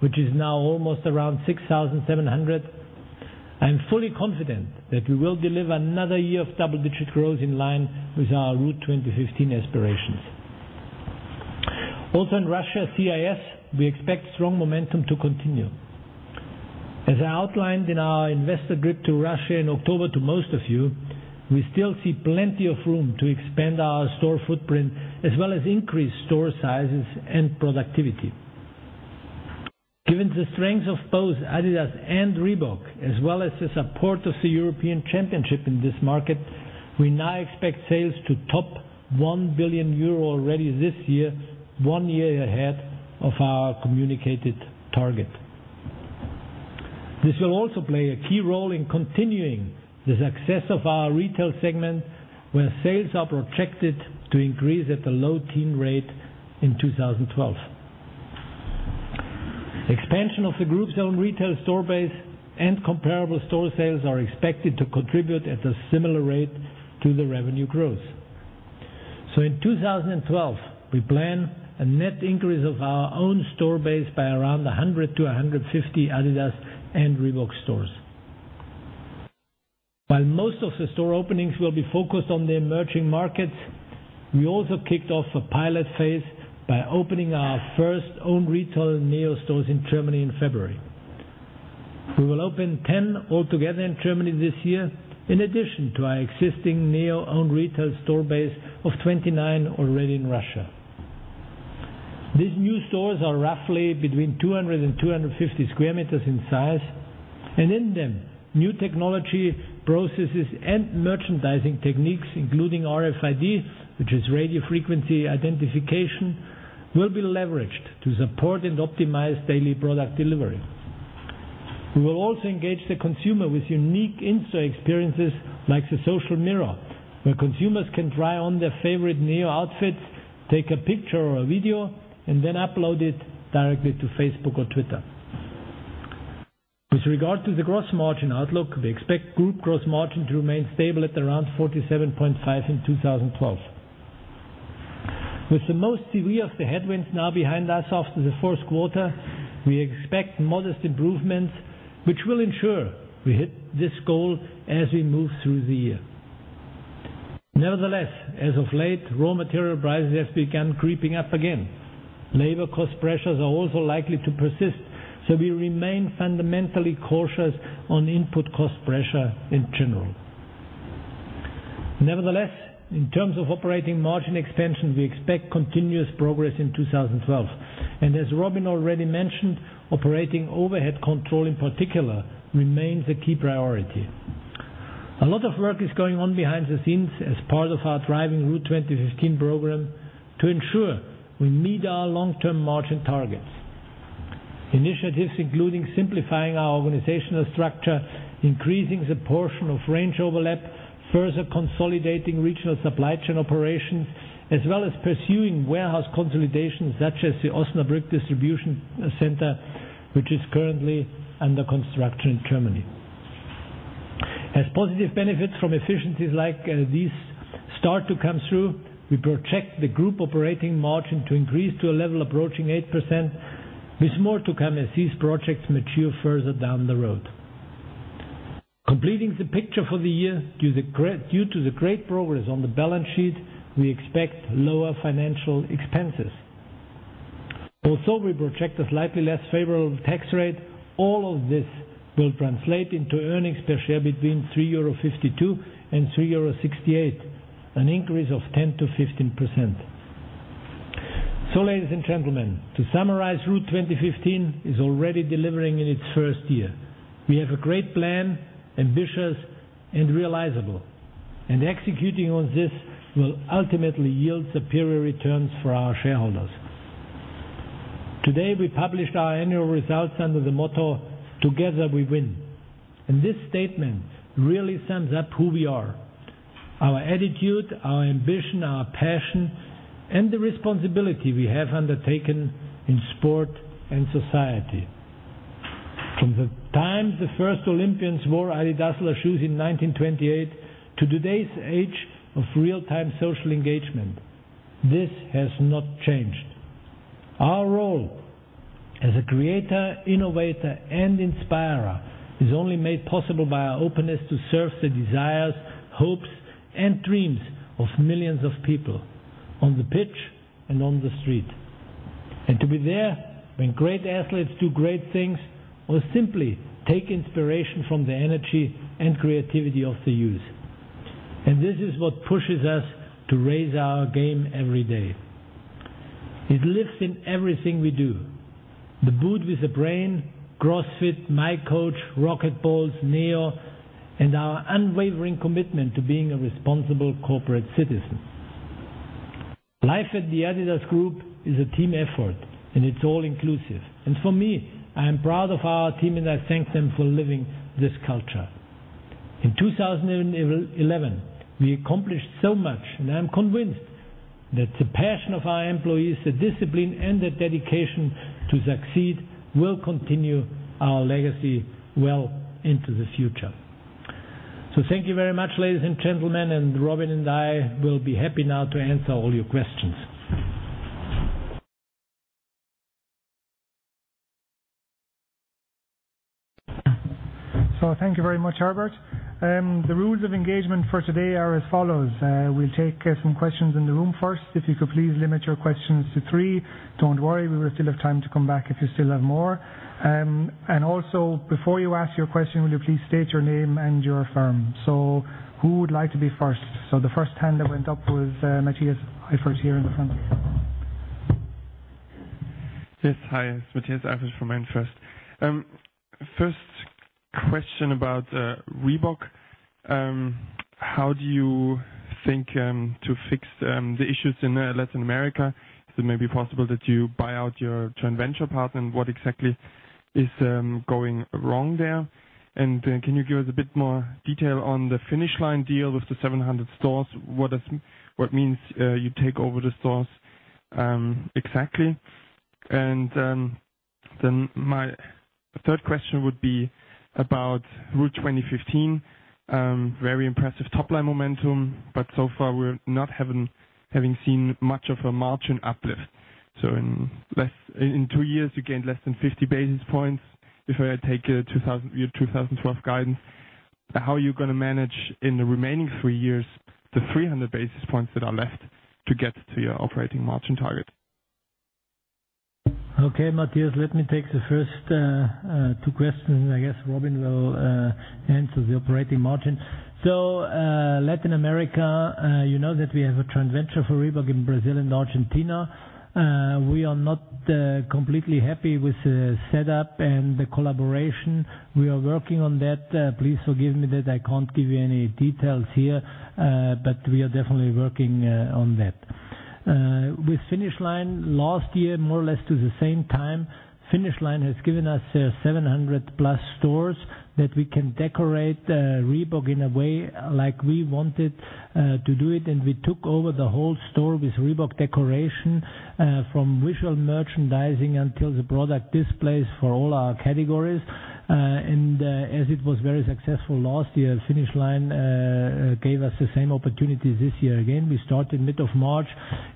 which is now almost around 6,700, I'm fully confident that we will deliver another year of double-digit growth in line with our Route 2015 aspirations. Also, in Russia/CIS, we expect strong momentum to continue. As I outlined in our investor grid to Russia in October to most of you, we still see plenty of room to expand our store footprint, as well as increase store sizes and productivity. Given the strengths of both adidas and Reebok, as well as the support of the European championship in this market, we now expect sales to top 1 billion euro already this year, one year ahead of our communicated target. This will also play a key role in continuing the success of our retail segment, where sales are projected to increase at a low 10% rate in 2012. Expansion of the group's own retail store base and comparable store sales are expected to contribute at a similar rate to the revenue growth. In 2012, we plan a net increase of our own store base by around 100 to 150 adidas and Reebok stores. While most of the store openings will be focused on the emerging markets, we also kicked off a pilot phase by opening our first owned retail NEO stores in Germany in February. We will open 10 altogether in Germany this year, in addition to our existing NEO owned retail store base of 29 already in Russia. These new stores are roughly between 200 m2 and 250 square meters in size, and in them, new technology processes and merchandising techniques, including RFID, which is radio frequency identification, will be leveraged to support and optimize daily product delivery. We will also engage the consumer with unique in-store experiences like the social mirror, where consumers can try on their favorite NEO outfits, take a picture or a video, and then upload it directly to Facebook or Twitter. With regard to the gross margin outlook, we expect group gross margin to remain stable at around 47.5% in 2012. With the most severe of the headwinds now behind us after the fourth quarter, we expect modest improvements, which will ensure we hit this goal as we move through the year. Nevertheless, as of late, raw material prices have begun creeping up again. Labor cost pressures are also likely to persist, so we remain fundamentally cautious on input cost pressure in general. Nevertheless, in terms of operating margin expansion, we expect continuous progress in 2012. As Robin already mentioned, operating overhead control in particular remains a key priority. A lot of work is going on behind the scenes as part of our driving Route 2015 program to ensure we meet our long-term margin targets. Initiatives include simplifying our organizational structure, increasing the portion of range overlap, further consolidating regional supply chain operations, as well as pursuing warehouse consolidations such as the Osnabrück Distribution Center, which is currently under construction in Germany. As positive benefits from efficiencies like these start to come through, we project the group operating margin to increase to a level approaching 8%, with more to come as these projects mature further down the road. Completing the picture for the year, due to the great progress on the balance sheet, we expect lower financial expenses. We also project a slightly less favorable tax rate. All of this will translate into earnings per share between 3.52 euro and 3.68 euro, an increase of 10% to 15%. Ladies and gentlemen, to summarize, Route 2015 is already delivering in its first year. We have a great plan, ambitious, and realizable. Executing on this will ultimately yield superior returns for our shareholders. Today, we published our annual results under the motto "Together We Win." This statement really sums up who we are, our attitude, our ambition, our passion, and the responsibility we have undertaken in sport and society. From the time the first Olympians wore adidas shoes in 1928 to today's age of real-time social engagement, this has not changed. Our role as a creator, innovator, and inspirer is only made possible by our openness to serve the desires, hopes, and dreams of millions of people on the pitch and on the street. To be there when great athletes do great things, or simply take inspiration from the energy and creativity of the youths, is what pushes us to raise our game every day. It lives in everything we do: the boot with the brand, CrossFit, miCoach, RocketBallz, NEO, and our unwavering commitment to being a responsible corporate citizen. Life at the adidas Group is a team effort, and it's all inclusive. For me, I am proud of our team, and I thank them for living this culture. In 2011, we accomplished so much, and I'm convinced that the passion of our employees, the discipline, and the dedication to succeed will continue our legacy well into the future. Thank you very much, ladies and gentlemen, and Robin and I will be happy now to answer all your questions. Thank you very much, Herbert. The rules of engagement for today are as follows. We'll take some questions in the room first. If you could please limit your questions to three, don't worry, we will still have time to come back if you still have more. Also, before you ask your question, will you please state your name and your firm? Who would like to be first? The first hand that went up was Matthias Eiffert here in the front. Yes, hi, Matthias Eifert from MainFirst. First question about Reebok. How do you think to fix the issues in Latin America? Is it maybe possible that you buy out your joint venture partner, and what exactly is going wrong there? Can you give us a bit more detail on the Finish Line deal with the 700 stores? What means you take over the stores exactly? My third question would be about Route 2015. Very impressive top-line momentum, but so far we're not having seen much of a margin uplift. In two years, you gained less than 50 basis points. If I take your 2012 guidance, how are you going to manage in the remaining three years the 300 basis points that are left to get to your operating margin target? Okay, Matthias, let me take the first two questions, and I guess Robin will answer the operating margin. Latin America, you know that we have a joint venture for Reebok in Brazil and Argentina. We are not completely happy with the setup and the collaboration. We are working on that. Please forgive me that I can't give you any details here, but we are definitely working on that. With Finish Line, last year, more or less at the same time, Finish Line has given us 700+ stores that we can decorate Reebok in a way like we wanted to do it. We took over the whole store with Reebok decoration, from visual merchandising to the product displays for all our categories. As it was very successful last year, Finish Line gave us the same opportunity this year again. We started mid-March,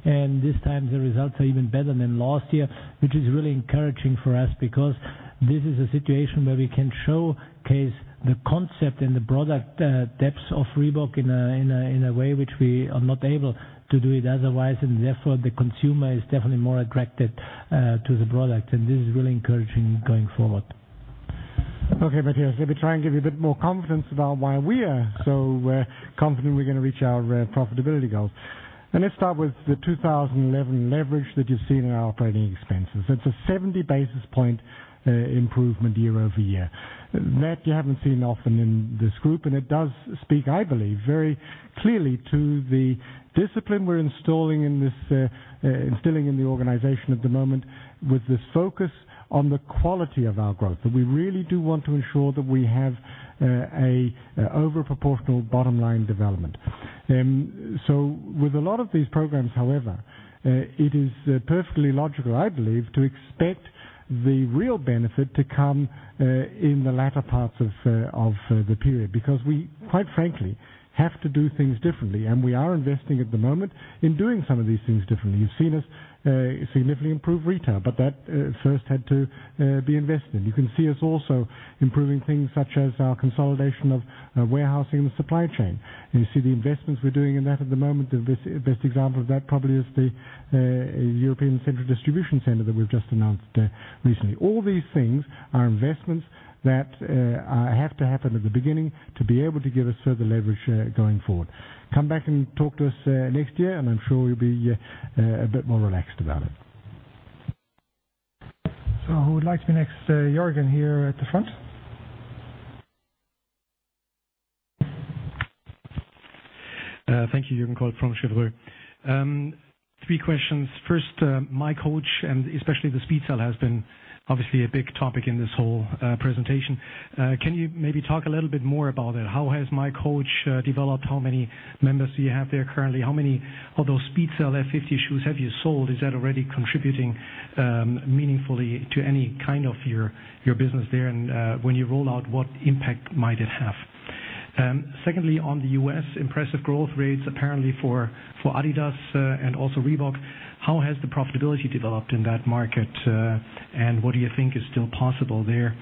and this time the results are even better than last year, which is really encouraging for us because this is a situation where we can showcase the concept and the product depths of Reebok in a way which we are not able to do otherwise. Therefore, the consumer is definitely more attracted to the product, and this is really encouraging going forward. Okay, Matthias, let me try and give you a bit more confidence about why we are so confident we're going to reach our profitability goals. Let's start with the 2011 leverage that you've seen in our operating expenses. That's a 70 basis point improvement year-over-year. You haven't seen that often in this group, and it does speak, I believe, very clearly to the discipline we're instilling in the organization at the moment with this focus on the quality of our growth. We really do want to ensure that we have an overproportional bottom-line development. With a lot of these programs, however, it is perfectly logical, I believe, to expect the real benefit to come in the latter parts of the period because we, quite frankly, have to do things differently. We are investing at the moment in doing some of these things differently. You've seen us significantly improve retail, but that first had to be invested in. You can see us also improving things such as our consolidation of warehousing and the supply chain. You see the investments we're doing in that at the moment. The best example of that probably is the European Central Distribution Center that we've just announced recently. All these things are investments that have to happen at the beginning to be able to give us further leverage going forward. Come back and talk to us next year, and I'm sure you'll be a bit more relaxed about it. Who would like to be next? Jürgen here at the front. Thank you, Jürgen Kolb from Cheuvreux. Three questions. First, miCoach, and especially the Speed Cell, has been obviously a big topic in this whole presentation. Can you maybe talk a little bit more about that? How has miCoach developed? How many members do you have there currently? How many of those Speed Cell F50 shoes have you sold? Is that already contributing meaningfully to any kind of your business there? When you roll out, what impact might it have? Secondly, on the U.S., impressive growth rates apparently for adidas and also Reebok. How has the profitability developed in that market? What do you think is still possible there?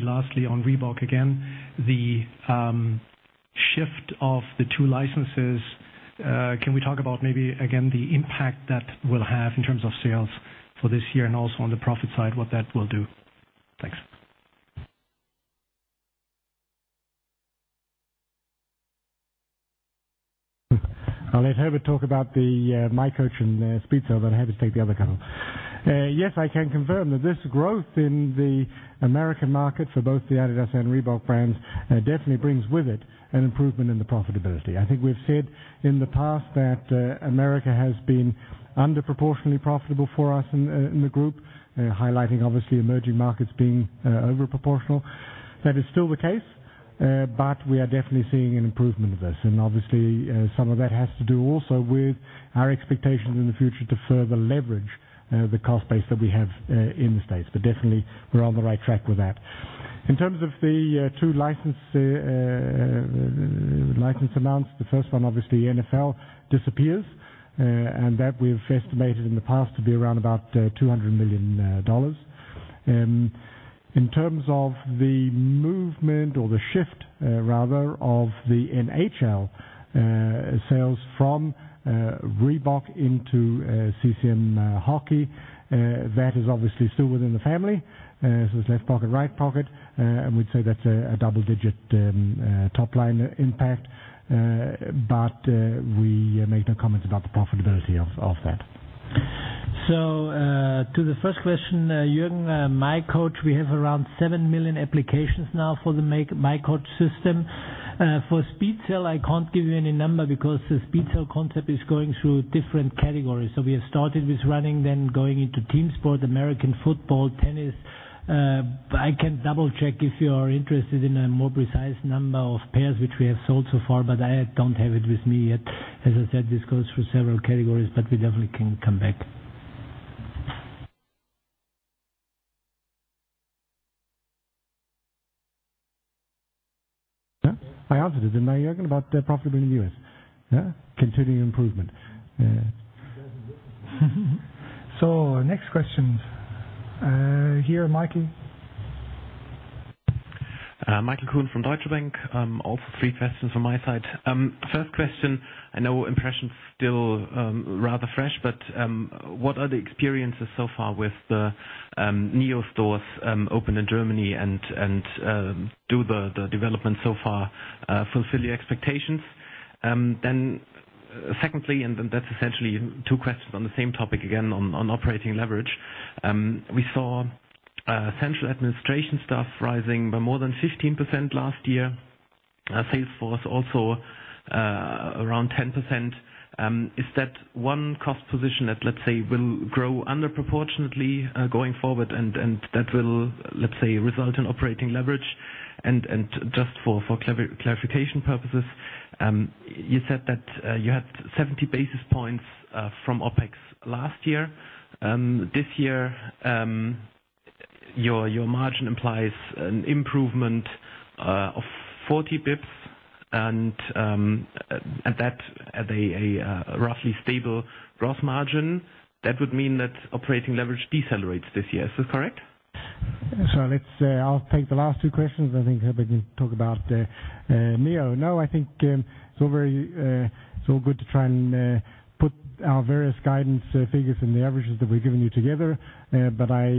Lastly, on Reebok again, the shift of the two licenses. I'll let Herbert talk about the miCoach and the Speed Cell, then Herbert take the other couple. Yes, I can confirm that this growth in the American market for both the adidas and Reebok brands definitely brings with it an improvement in the profitability. I think we've said in the past that America has been underproportionately profitable for us in the group, highlighting obviously emerging markets being overproportional. That is still the case, but we are definitely seeing an improvement of this. Obviously, some of that has to do also with our expectations in the future to further leverage the cost base that we have in the States. We are on the right track with that. In terms of the two license amounts, the first one obviously NFL disappears, and that we've estimated in the past to be around about $200 million. In terms of the movement or the shift, rather, of the NHL sales from Reebok into CCM Hockey, that is obviously still within the family. It's left pocket, right pocket, and we'd say that's a double-digit top-line impact. We make no comments about the profitability of that. To the first question, Jürgen, miCoach, we have around 7 million applications now for the miCoach system. For Speed Cell, I can't give you any number because the Speed Sell concept is going through different categories. We have started with running, then going into team sport, American football, tennis. I can double-check if you are interested in a more precise number of pairs which we have sold so far, but I don't have it with me yet. As I said, this goes through several categories, but we definitely can come back. I answered it. Now, Jürgen, about profitability in the U.S. Continuing improvement. Next question. Here, Michael. Michael Kuhn from Deutsche Bank. Also, three questions from my side. First question, I know impressions are still rather fresh, but what are the experiences so far with the NEO stores opened in Germany, and do the developments so far fulfill your expectations? Secondly, and that's essentially two questions on the same topic, again on operating leverage. We saw central administration staff rising by more than 15% last year, Sales force also around 10%. Is that one cost position that, let's say, will grow underproportionately going forward and that will, let's say, result in operating leverage? Just for clarification purposes, you said that you had 70 basis points from OpEx last year. This year, your margin implies an improvement of 40 basis points at a roughly stable gross margin. That would mean that operating leverage decelerates this year. Is this correct? I'll take the last two questions. I think we can talk about NEO. No, I think it's all very good to try and put our various guidance figures in the averages that we're giving you together, but I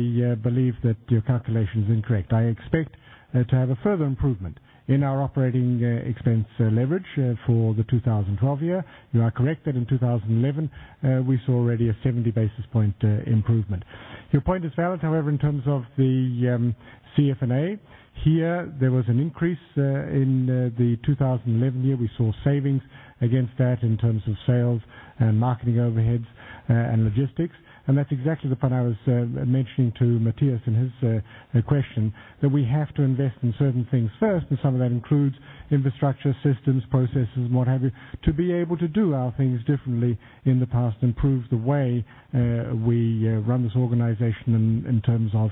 believe that your calculation is incorrect. I expect to have a further improvement in our operating expense leverage for the 2012 year. You are correct that in 2011, we saw already a 70 basis points improvement. Your point is valid, however, in terms of the CFNA. Here, there was an increase in the 2011 year. We saw savings against that in terms of sales and marketing overheads and logistics. That's exactly the part I was mentioning to Matthias in his question, that we have to invest in certain things first, and some of that includes infrastructure, systems, processes, and what have you, to be able to do our things differently in the past and prove the way we run this organization in terms of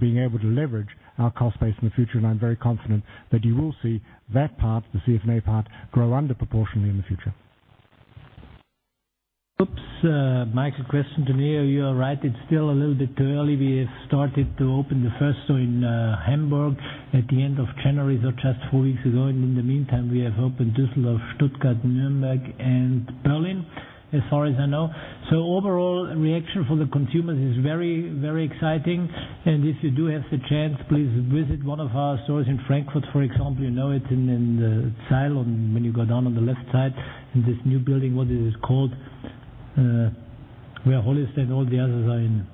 being able to leverage our cost base in the future. I'm very confident that you will see that part, the CFNA part, grow underproportionately in the future. Michael, question to NEO. You are right, it's still a little bit too early. We have started to open the first store in Hamburg at the end of January, so just four weeks ago. In the meantime, we have opened Düsseldorf, Stuttgart, Nürnberg, and Berlin, as far as I know. Overall, the reaction from the consumers is very, very exciting. If you do have the chance, please visit one of our stores in Frankfurt, for example. You know it's in the Saal when you go down on the left side in this new building, what is it called? Where Hollist and all the others are in.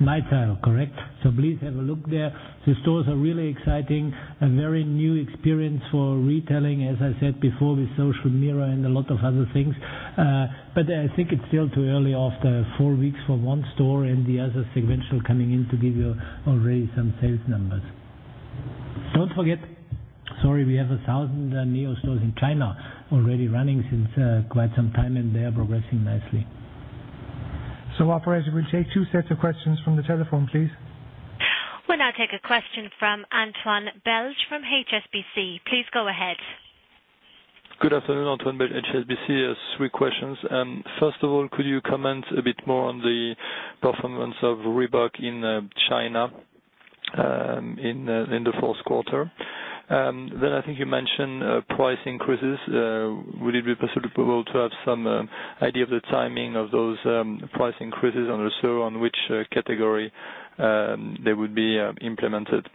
NightTile. NightTile, correct. Please have a look there. The stores are really exciting, a very new experience for retailing, as I said before, with social mirror and a lot of other things. I think it's still too early after four weeks for one store and the other sequential coming in to give you already some sales numbers. Don't forget, we have 1,000 NEO stores in China already running since quite some time, and they are progressing nicely. Operator, we take two sets of questions from the telephone, please.r We'll now take a question from Antoine Belge from HSBC. Please go ahead. Good afternoon, Antoine Belge, HSBC. Yes, three questions. First of all, could you comment a bit more on the performance of Reebok in China in the fourth quarter? I think you mentioned price increases. Would it be possible to have some idea of the timing of those price increases and also on which category they would be implemented?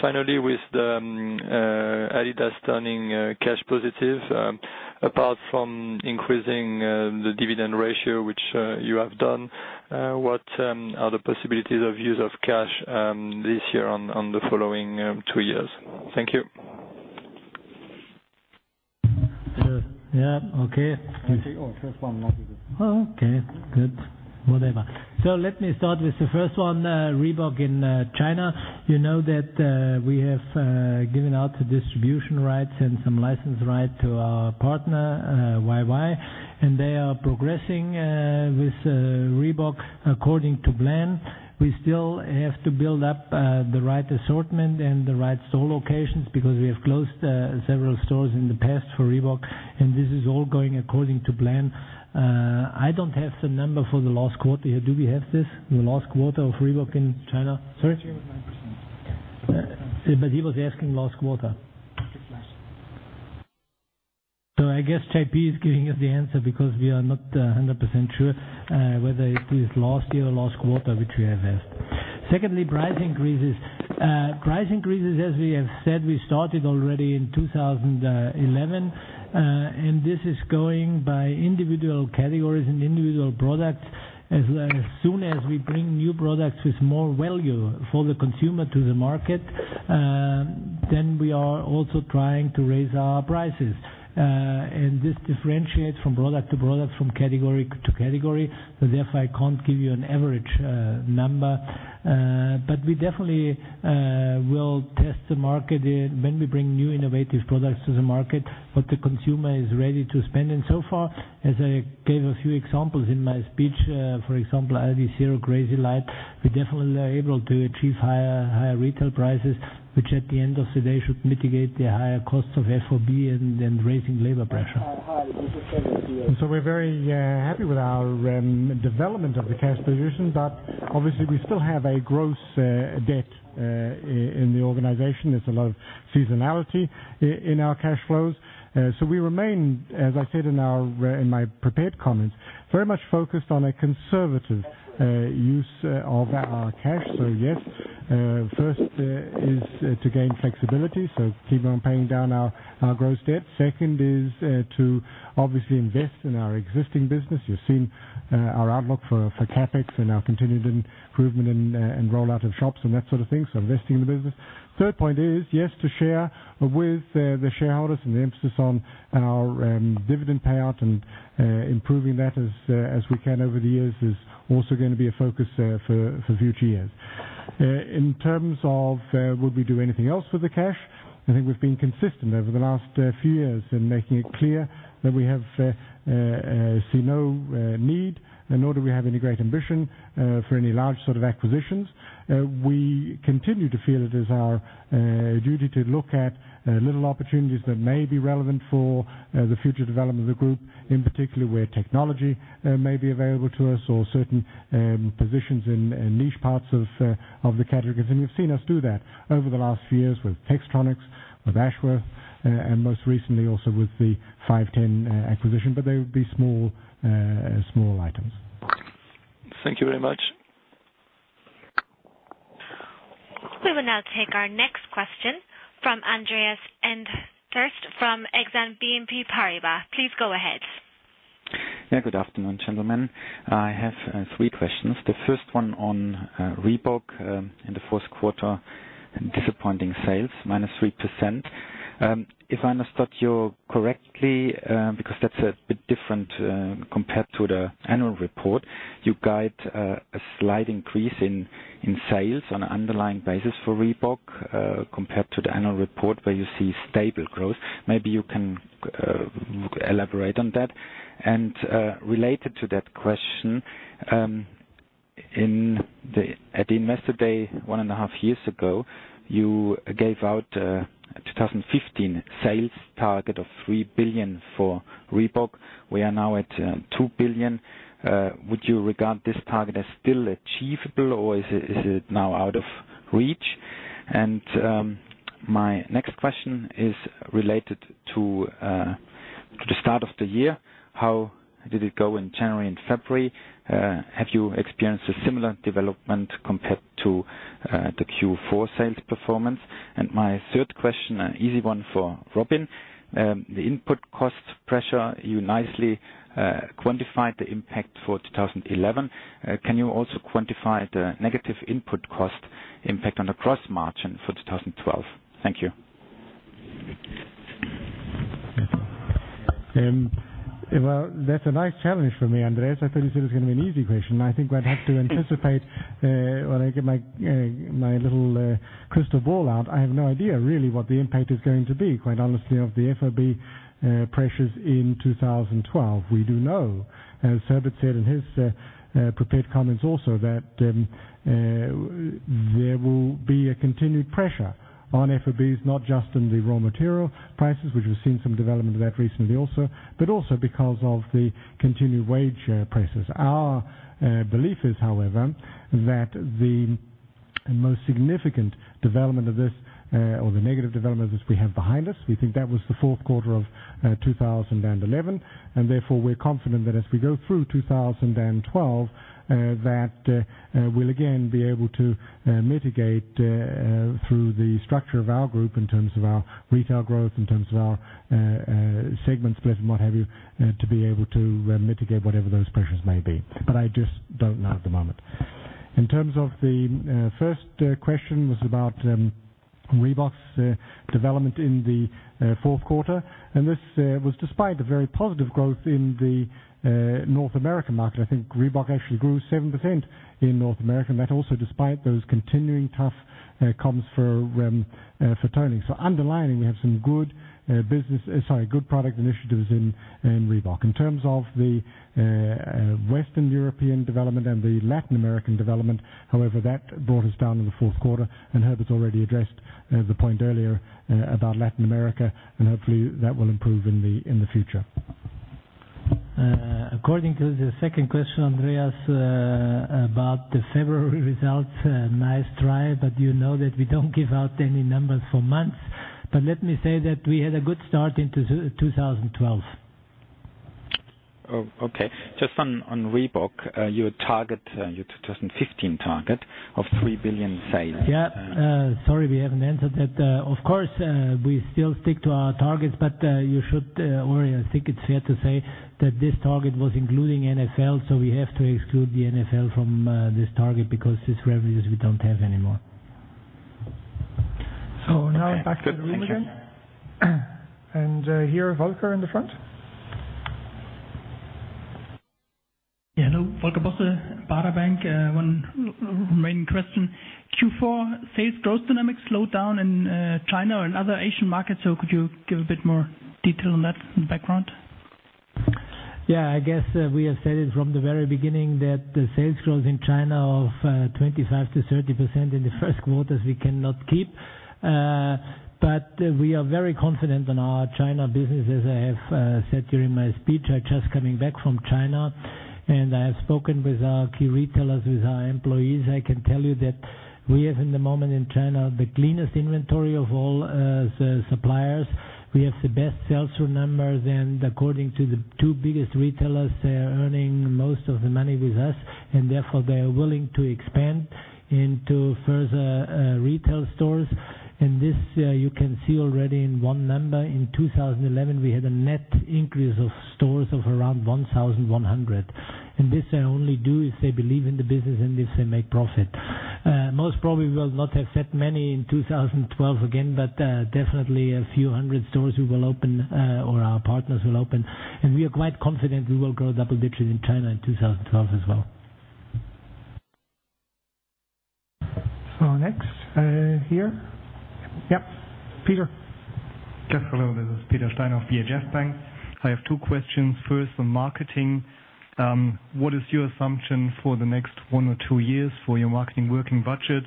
Finally, with adidas turning cash positive, apart from increasing the dividend ratio, which you have done, what are the possibilities of use of cash this year and the following two years? Thank you. Yeah, okay. Actually, first one, not the... Okay, good. Let me start with the first one, Reebok in China. You know that we have given out distribution rights and some license rights to our partner, YY, and they are progressing with Reebok according to plan. We still have to build up the right assortment and the right store locations because we have closed several stores in the past for Reebok, and this is all going according to plan. I don't have the number for the last quarter here. Do we have this? The last quarter of Reebok in China? Sorry, it's here with 9%. He was asking last quarter. Good flash. I guess JP is giving us the answer because we are not 100% sure whether it is last year or last quarter, which we have asked. Secondly, price increases. Price increases, as we have said, we started already in 2011, and this is going by individual categories and individual products. As soon as we bring new products with more value for the consumer to the market, we are also trying to raise our prices. This differentiates from product to product, from category to category, so therefore I can't give you an average number. We definitely will test the market when we bring new innovative products to the market, if the consumer is ready to spend. As I gave a few examples in my speech, for example, Adizero Crazylight, we definitely are able to achieve higher retail prices, which at the end of the day should mitigate the higher costs of FOB and then raising labor pressure. We're very happy with our development of the cash position, but obviously we still have a gross debt in the organization. There's a lot of seasonality in our cash flows. We remain, as I said in my prepared comments, very much focused on a conservative use of our cash. Yes, first is to gain flexibility, so keep on paying down our gross debt. Second is to obviously invest in our existing business. You've seen our outlook for CapEx and our continued improvement and rollout of shops and that sort of thing, so investing in the business. Third point is, yes, to share with the shareholders and the emphasis on our dividend payout and improving that as we can over the years is also going to be a focus for future years. In terms of would we do anything else with the cash, I think we've been consistent over the last few years in making it clear that we have seen no need nor do we have any great ambition for any large sort of acquisitions. We continue to feel it is our duty to look at little opportunities that may be relevant for the future development of the group, in particular where technology may be available to us or certain positions in niche parts of the categories. You've seen us do that over the last few years with Pextronics, with Ashworth, and most recently also with the Five Ten acquisition, but they would be small as well. items. Thank you very much. We will now take our next question from Andreas Inderst from Exane BNP Paribas. Please go ahead. Yeah, good afternoon, gentlemen. I have three questions. The first one on Reebok in the first quarter, disappointing sales, -3%. If I understood you correctly, because that's a bit different compared to the annual report, you guide a slight increase in sales on an underlying basis for Reebok compared to the annual report where you see stable growth. Maybe you can elaborate on that. Related to that question, at the Investor Day, one and a half years ago, you gave out a 2015 sales target of 3 billion for Reebok. We are now at $2 billion. Would you regard this target as still achievable, or is it now out of reach? My next question is related to the start of the year. How did it go in January and February? Have you experienced a similar development compared to the Q4 sales performance? My third question, an easy one for Robin, the input cost pressure. You nicely quantified the impact for 2011. Can you also quantify the negative input cost impact on the gross margin for 2012? Thank you. That's a nice challenge for me, Andreas. I thought you said it was going to be an easy question. I think I'd have to anticipate when I get my little crystal ball out. I have no idea, really, what the impact is going to be, quite honestly, of the FOB pressures in 2012. We do know. Herbert said in his prepared comments also that there will be a continued pressure on FOBs, not just on the raw material prices, which we've seen some development of that recently also, but also because of the continued wage pressures. Our belief is, however, that the most significant development of this, or the negative development of this, we have behind us. We think that was the fourth quarter of 2011. Therefore, we're confident that as we go through 2012, we'll again be able to mitigate through the structure of our group in terms of our retail growth, in terms of our segment split, and what have you, to be able to mitigate whatever those pressures may be. I just don't know at the moment. In terms of the first question, it was about Reebok's development in the fourth quarter. This was despite a very positive growth in the North American market. I think Reebok actually grew 7% in North America. That also despite those continuing tough comps for toning. Underlining, we have some good business, sorry, good product initiatives in Reebok. In terms of the Western European development and the Latin American development, however, that brought us down in the fourth quarter. Herbert's already addressed the point earlier about Latin America. Hopefully, that will improve in the future. According to the second question, Andreas, about the February results, nice try, but you know that we don't give out any numbers for months. Let me say that we had a good start into 2012. Oh, okay. Just on Reebok, your 2015 target of 3 billion sales. Yeah, sorry, we haven't answered that. Of course, we still stick to our targets, but you should, or I think it's fair to say that this target was including NFL. We have to exclude the NFL from this target because these revenues we don't have anymore. I'm back to the room again. Here, Volker in the front. Hello. Volker Bosse at Baader Bank. One remaining question. Q4 sales growth dynamics slowed down in China and other Asian markets. Could you give a bit more detail on that in the background? Yeah, I guess we have said it from the very beginning that the sales growth in China of 25%-30% in the first quarters, we cannot keep. We are very confident on our China business, as I have said during my speech. I'm just coming back from China. I have spoken with our key retailers, with our employees. I can tell you that we have, in the moment, in China, the cleanest inventory of all suppliers. We have the best sales through numbers. According to the two biggest retailers, they're earning most of the money with us. Therefore, they are willing to expand into further retail stores. This you can see already in one number. In 2011, we had a net increase of stores of around 1,100. This they only do if they believe in the business and if they make profit. Most probably, we will not have that many in 2012 again, but definitely a few hundred stores we will open or our partners will open. We are quite confident we will grow double digits in China in 2012 as well. Next here. Yep. Peter. Hello. This is Peter Steiner of BHF Bank. I have two questions. First, on marketing, what is your assumption for the next one or two years for your marketing working budget?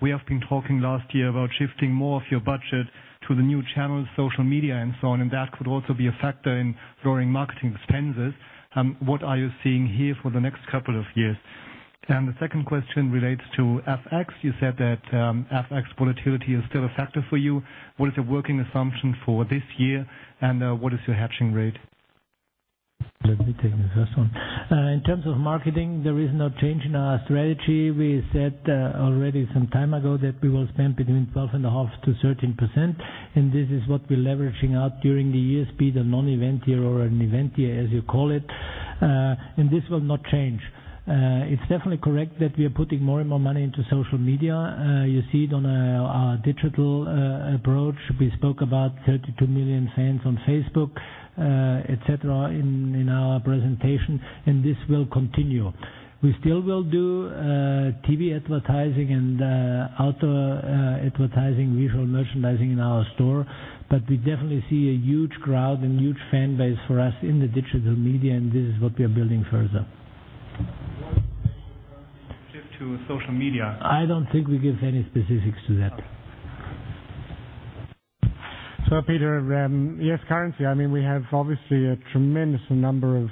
We have been talking last year about shifting more of your budget to the new channels, social media, and so on. That could also be a factor in lowering marketing expenses. What are you seeing here for the next couple of years? The second question relates to FX. You said that FX volatility is still a factor for you. What is the working assumption for this year? What is your hedging rate? Let me take the first one. In terms of marketing, there is no change in our strategy. We said already some time ago that we will spend between 12.5%-13%. This is what we're leveraging out during the years, be the non-event year or an event year, as you call it. This will not change. It's definitely correct that we are putting more and more money into social media. You see it on our digital approach. We spoke about 32 million fans on Facebook, etc., in our presentation. This will continue. We still will do TV advertising and auto-advertising, visual merchandising in our store. We definitely see a huge crowd and huge fan base for us in the digital media. This is what we are building further. Shift to social media. I don't think we give any specifics to that. Peter, yes, currency. We have obviously a tremendous number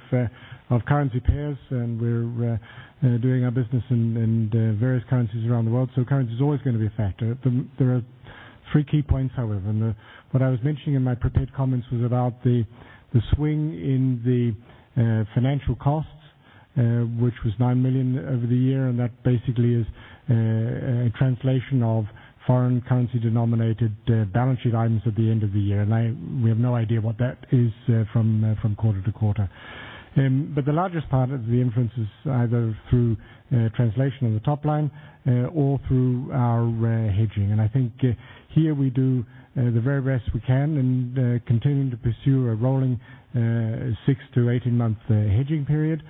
of currency pairs, and we're doing our business in various currencies around the world. Currency is always going to be a factor. There are three key points, however. What I was mentioning in my prepared comments was about the swing in the financial costs, which was $9 million over the year. That basically is a translation of foreign currency denominated balance sheet items at the end of the year. We have no idea what that is from quarter to quarter. The largest part of the influence is either through translation in the top line or through our hedging. I think here we do the very best we can in continuing to pursue a rolling 6 to 18-month hedging period.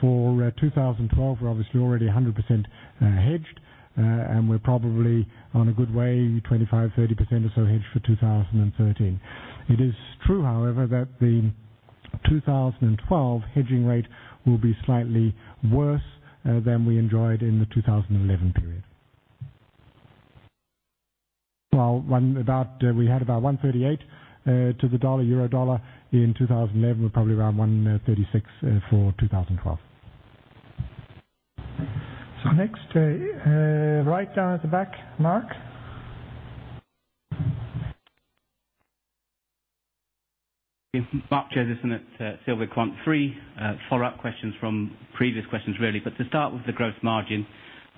For 2012, we're obviously already 100% hedged, and we're probably on a good way, 25%, 30% or so hedged for 2013. It is true, however, that the 2012 hedging rate will be slightly worse than we enjoyed in the 2011 period. When we had about 1.38% to the euro dollar in 2011, we're probably around 1.36% for 2012. Right down at the back, Mark. Yes. [Mark Chase, listening at Silver Quant 3]. Follow-up questions from previous questions, really. To start with the gross margin,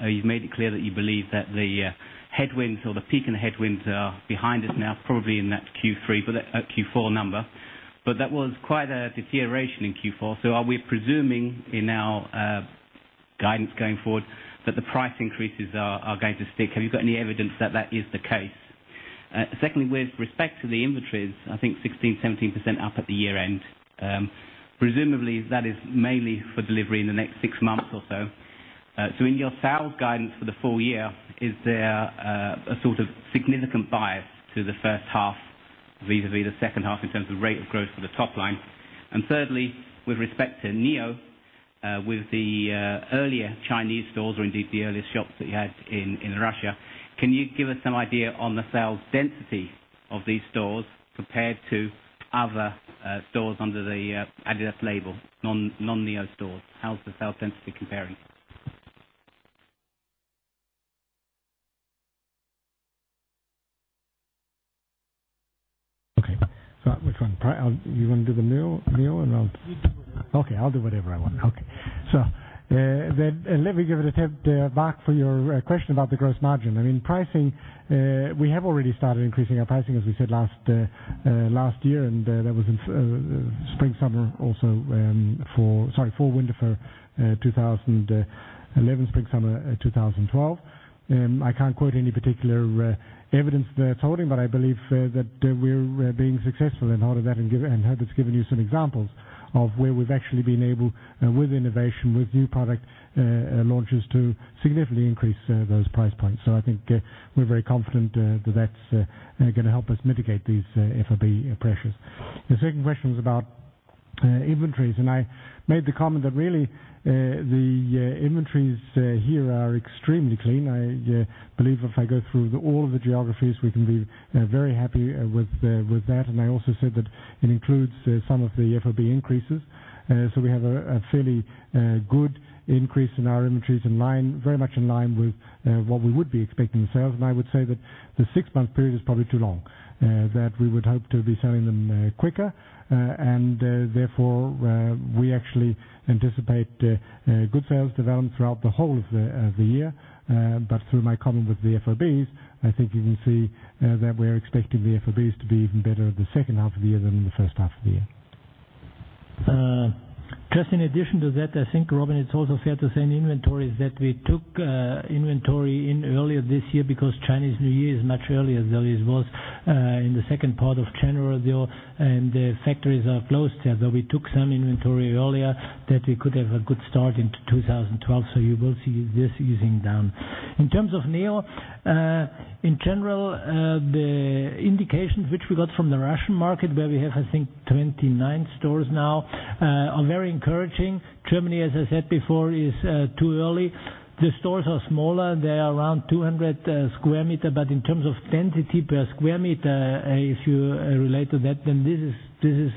you've made it clear that you believe that the headwinds or the peak in the headwinds are behind us now, probably in that Q3 but at Q4 number. That was quite a deterioration in Q4. Are we presuming in our guidance going forward that the price increases are going to stick? Have you got any evidence that that is the case? Secondly, with respect to the inventories, I think 16%, 17% up at the year-end. Presumably, that is mainly for delivery in the next six months or so. In your sales guidance for the full year, is there a significant bias to the first half vis-à-vis the second half in terms of the rate of growth for the top line? Thirdly, with respect to NEO, with the earlier Chinese stores or indeed the earliest shops that you had in Russia, can you give us some idea on the sales density of these stores compared to other stores under the adidas label, non-NEO stores? How's the sales density comparing? Which one? You want to do the NEO? Okay, I'll do whatever I want. Let me give an attempt back for your question about the gross margin. Pricing, we have already started increasing our pricing, as we said, last year. That was in spring/summer, also for winter 2011, spring/summer 2012. I can't quote any particular evidence that's holding, but I believe that we're being successful in holding that. Herbert's given you some examples of where we've actually been able, with innovation, with new product launches, to significantly increase those price points. I think we're very confident that that's going to help us mitigate these FOB pressures. The second question is about inventories. I made the comment that really the inventories here are extremely clean. I believe if I go through all of the geographies, we can be very happy with that. I also said that it includes some of the FOB increases. We have a fairly good increase in our inventories, very much in line with what we would be expecting in sales. I would say that the six-month period is probably too long, that we would hope to be selling them quicker. Therefore, we actually anticipate good sales development throughout the whole of the year. Through my comment with the FOBs, I think you can see that we're expecting the FOBs to be even better in the second half of the year than in the first half of the year. Just in addition to that, I think, Robin, it's also fair to say in inventories that we took inventory in earlier this year because Chinese New Year is much earlier than it was in the second part of January. The factories are closed there. Though we took some inventory earlier, that we could have a good start in 2012. You will see this easing down. In terms of NEO, in general, the indications which we got from the Russian market, where we have, I think, 29 stores now, are very encouraging. Germany, as I said before, is too early. The stores are smaller. They are around 200 square meters. In terms of density per square meter, if you relate to that, then this is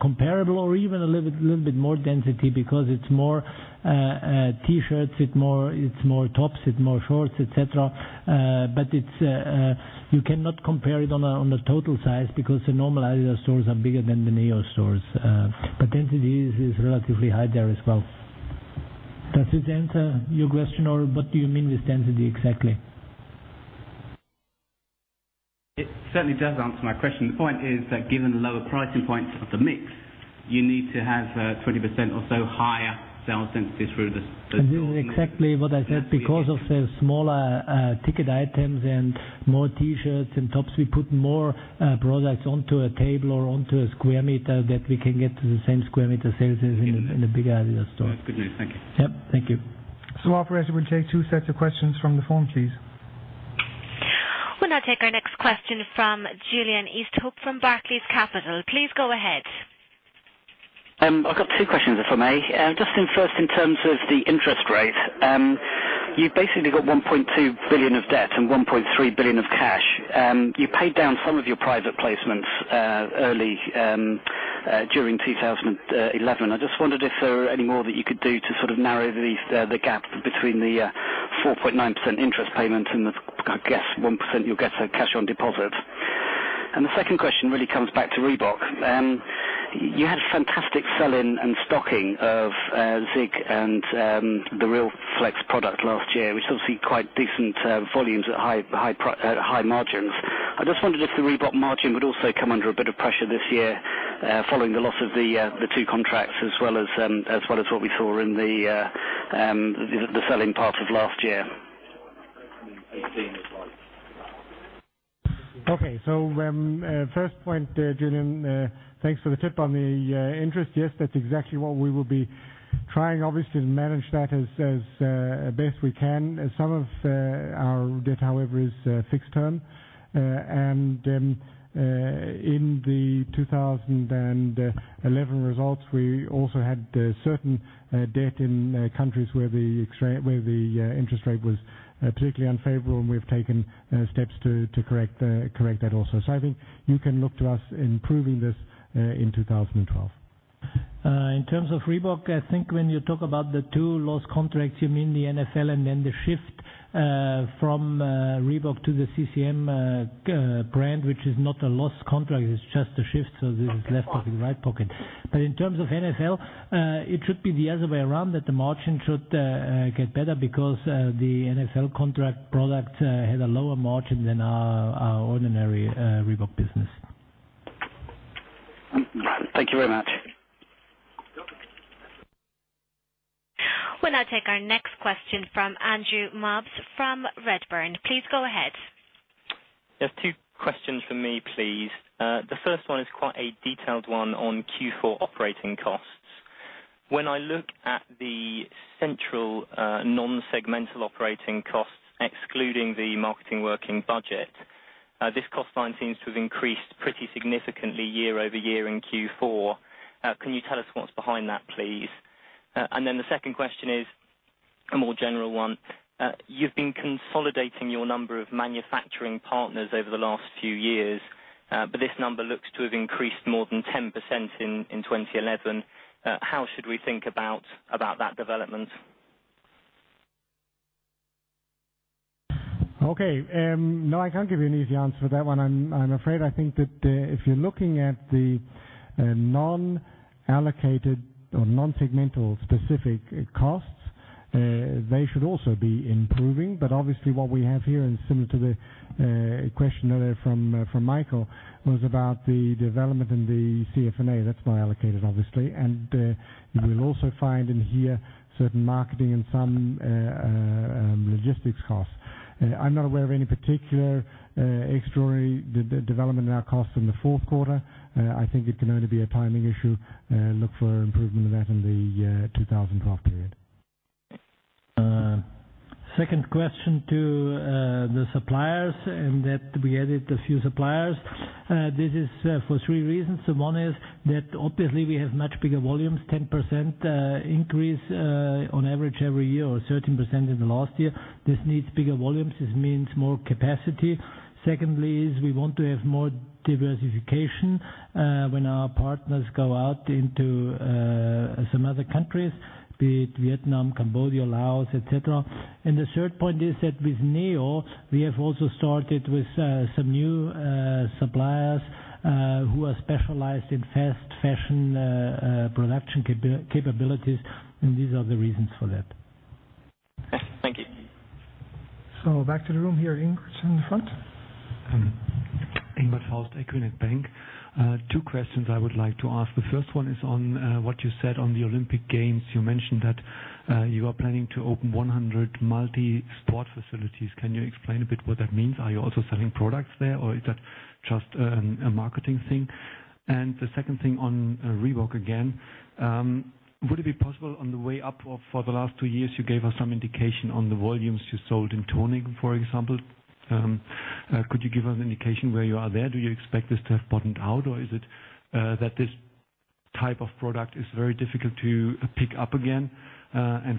comparable or even a little bit more density because it's more T-shirts, it's more tops, it's more shorts, et cetera. You cannot compare it on the total size because the normal adidas stores are bigger than the NEO stores. Density is relatively high there as well. Does this answer your question, or what do you mean with density exactly? It certainly does answer my question. The point is that given the lower pricing points of the mix, you need to have 20% or so higher sales density through the. This is exactly what I said. Because of the smaller ticket items and more T-shirts and tops, we put more products onto a table or onto a square meter so that we can get to the same square meter sales as in the bigger adidas store. That's good news. Thank you. Thank you. Operator, we actually would take two sets of questions from the form, please. We'll now take our next question from Julian Easthope from Barclays Capital. Please go ahead. I've got two questions if I may. First, in terms of the interest rates, you basically got 1.2 billion of debt and 1.3 billion of cash. You paid down some of your private placements early during 2011. I just wondered if there are any more that you could do to sort of narrow the gap between the 4.9% interest payments and the, I guess, 1% you'll get to cash on deposits. The second question really comes back to Reebok. You had a fantastic selling and stocking of Zig and the RealFlex product last year, which is obviously quite decent volumes at high margins. I just wondered if the Reebok margin would also come under a bit of pressure this year following the loss of the two contracts, as well as what we saw in the selling part of last year. Okay. First point, Julian, thanks for the tip on the interest. Yes, that's exactly what we will be trying, obviously, to manage that as best we can. Some of our debt, however, is fixed term. In the 2011 results, we also had certain debt in countries where the interest rate was particularly unfavorable. We've taken steps to correct that also. I think you can look to us improving this in 2012. In terms of Reebok, I think when you talk about the two lost contracts, you mean the NFL and then the shift from Reebok to the CCM brand, which is not a lost contract. It's just a shift. This is left pocket, right pocket. In terms of NFL, it should be the other way around, that the margin should get better because the NFL contract product had a lower margin than our ordinary Reebok business. Thank you very much. We'll now take our next question from [Andrew Mubs] from Redburn Atlantic. Please go ahead. Yes, two questions for me, please. The first one is quite a detailed one on Q4 operating costs. When I look at the central non-segmental operating costs, excluding the marketing working budget, this cost line seems to have increased pretty significantly year over year in Q4. Can you tell us what's behind that, please? The second question is a more general one. You've been consolidating your number of manufacturing partners over the last few years, but this number looks to have increased more than 10% in 2011. How should we think about that development? Okay. No, I can't give you an easy answer for that one. I'm afraid I think that if you're looking at the non-allocated or non-segmental specific costs, they should also be improving. Obviously, what we have here, similar to the question earlier from Michael, was about the development in the CFNA. That's my allocated, obviously. We'll also find in here certain marketing and some logistics costs. I'm not aware of any particular extraordinary development in our costs in the fourth quarter. I think it can only be a timing issue. Look for improvement in that in the 2012 period. Second question to the suppliers and that we added a few suppliers. This is for three reasons. One is that obviously we have much bigger volumes, 10% increase on average every year, or 13% in the last year. This needs bigger volumes. This means more capacity. Secondly, we want to have more diversification when our partners go out into some other countries, be it Vietnam, Cambodia, Laos, etc. The third point is that with NEO, we have also started with some new suppliers who are specialized in fast fashion production capabilities. These are the reasons for that. Thank you. Thank you. Back to the room here. Ingvar's in the front. Ingbert Faust, equinet Bank. Two questions I would like to ask. The first one is on what you said on the Olympic Games. You mentioned that you are planning to open 100 multi-sport facilities. Can you explain a bit what that means? Are you also selling products there, or is that just a marketing thing? The second thing on Reebok, again, would it be possible on the way up for the last two years, you gave us some indication on the volumes you sold in toning, for example. Could you give us an indication where you are there? Do you expect this to have bottomed out, or is it that this type of product is very difficult to pick up again?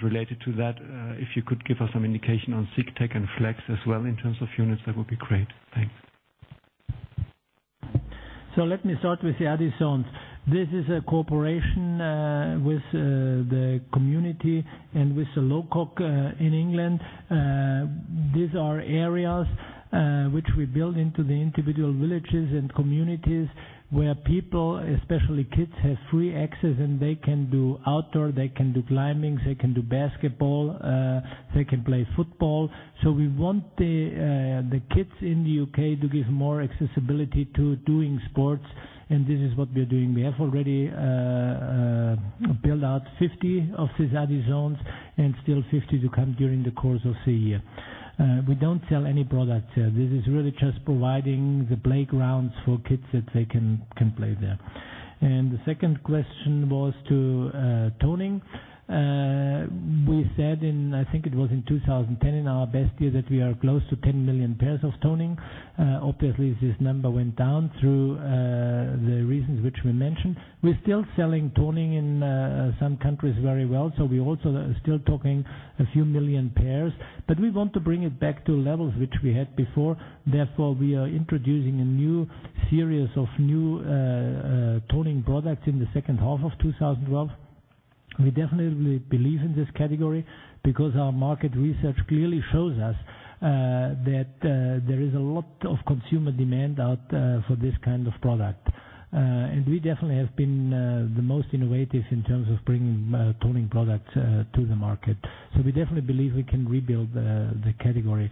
Related to that, if you could give us some indication on ZigTech and RealFlex as well in terms of units, that would be great. Thanks. Let me start with the adidas. This is a corporation with the community and with the local in England. These are areas which we build into the individual villages and communities where people, especially kids, have free access. They can do outdoor, they can do climbing, they can do basketball, they can play football. We want the kids in the U.K. to give more accessibility to doing sports. This is what we are doing. We have already built out 50 of these adidas and still 50 to come during the course of the year. We don't sell any products. This is really just providing the playgrounds for kids that they can play there. The second question was to toning. We said, and I think it was in 2010, in our best year, that we are close to 10 million pairs of toning. Obviously, this number went down through the reasons which we mentioned. We're still selling toning in some countries very well. We're also still talking a few million pairs. We want to bring it back to levels which we had before. Therefore, we are introducing a new series of new toning products in the second half of 2012. We definitely believe in this category because our market research clearly shows us that there is a lot of consumer demand out for this kind of product. We definitely have been the most innovative in terms of bringing toning products to the market. We definitely believe we can rebuild the category.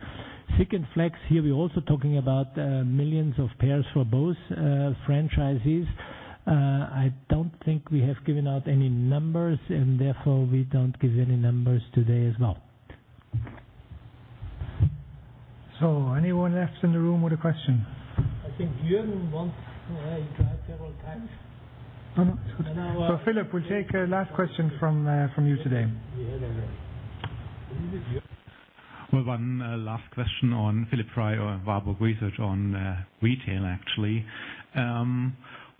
Zig and RealFlex here, we're also talking about millions of pairs for both franchises. I don't think we have given out any numbers, and therefore, we don't give any numbers today as well. Is anyone left in the room with a question? I think Jörg wants to add several times. Philip, we'll take a last question from you today. Yeah, there we go. One last question, Philipp Frey, Warburg Research on retail, actually.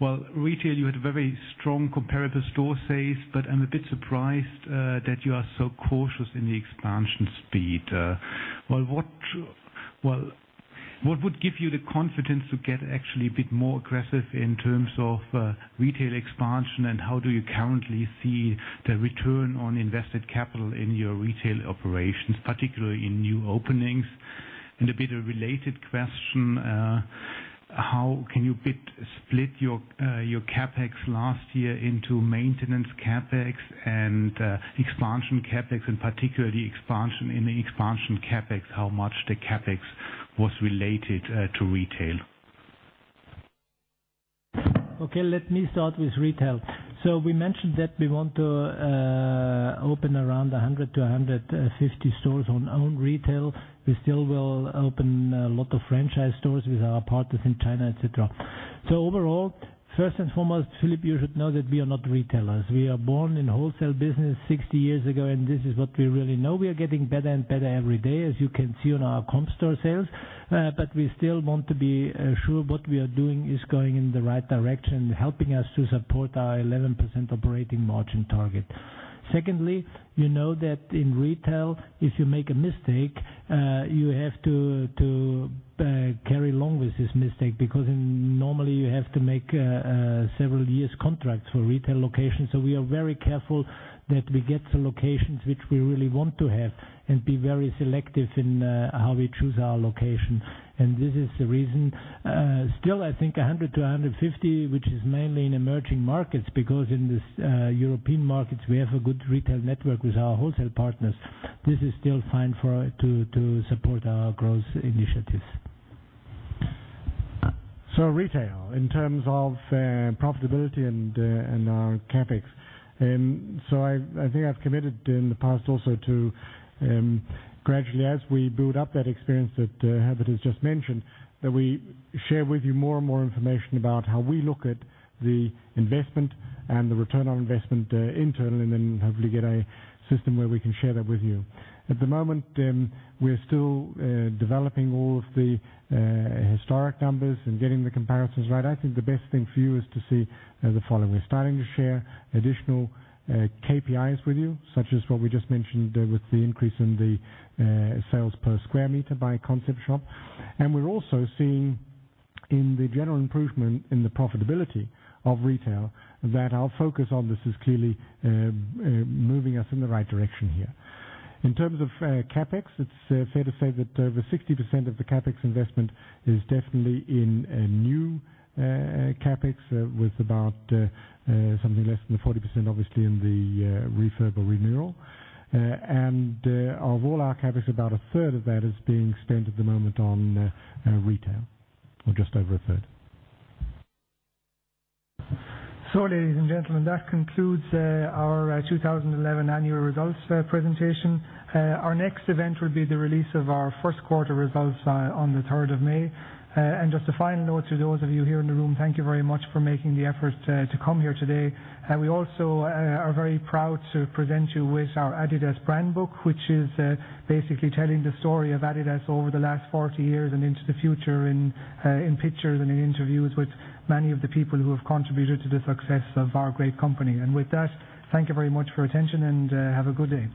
Retail, you had a very strong comparable store size, but I'm a bit surprised that you are so cautious in the expansion speed. What would give you the confidence to get actually a bit more aggressive in terms of retail expansion? How do you currently see the return on invested capital in your retail operations, particularly in new openings? A bit of a related question, how can you split your CapEx last year into maintenance CapEx and expansion CapEx, and particularly in the expansion CapEx, how much of the CapEx was related to retail? Okay, let me start with retail. We mentioned that we want to open around 100 to 150 stores on own retail. We still will open a lot of franchise stores with our partners in China, etc. Overall, first and foremost, Philip, you should know that we are not retailers. We are born in the wholesale business 60 years ago, and this is what we really know. We are getting better and better every day, as you can see on our comparable store sales. We still want to be sure what we are doing is going in the right direction and helping us to support our 11% operating margin target. Secondly, you know that in retail, if you make a mistake, you have to carry on with this mistake because normally you have to make several years' contracts for retail locations. We are very careful that we get to locations which we really want to have and be very selective in how we choose our location. This is the reason. Still, I think 100-150 stores, which is mainly in emerging markets, because in the European markets, we have a good retail network with our wholesale partners. This is still fine to support our growth initiatives. Retail in terms of profitability and our CapEx, I think I've committed in the past also to gradually, as we build up that experience that Herbert has just mentioned, that we share with you more and more information about how we look at the investment and the return on investment internally, and then hopefully get a system where we can share that with you. At the moment, we're still developing all of the historic numbers and getting the comparisons right. I think the best thing for you is to see the following. We're starting to share additional KPIs with you, such as what we just mentioned with the increase in the sales per square meter by Concept Shop. We're also seeing in the general improvement in the profitability of retail that our focus on this is clearly moving us in the right direction here. In terms of CapEx, it's fair to say that over 60% of the CapEx investment is definitely in new CapEx with about something less than 40%, obviously, in the refurb or renewal. Of all our CapEx, about a third of that is being spent at the moment on retail, or just over a third. Ladies and gentlemen, that concludes our 2011 annual results presentation. Our next event would be the release of our first quarter results on the 3rd of May. Just a final note to those of you here in the room, thank you very much for making the effort to come here today. We also are very proud to present you with our adidas brand book, which is basically telling the story of adidas over the last 40 years and into the future in pictures and in interviews with many of the people who have contributed to the success of our great company. With that, thank you very much for your attention and have a good day.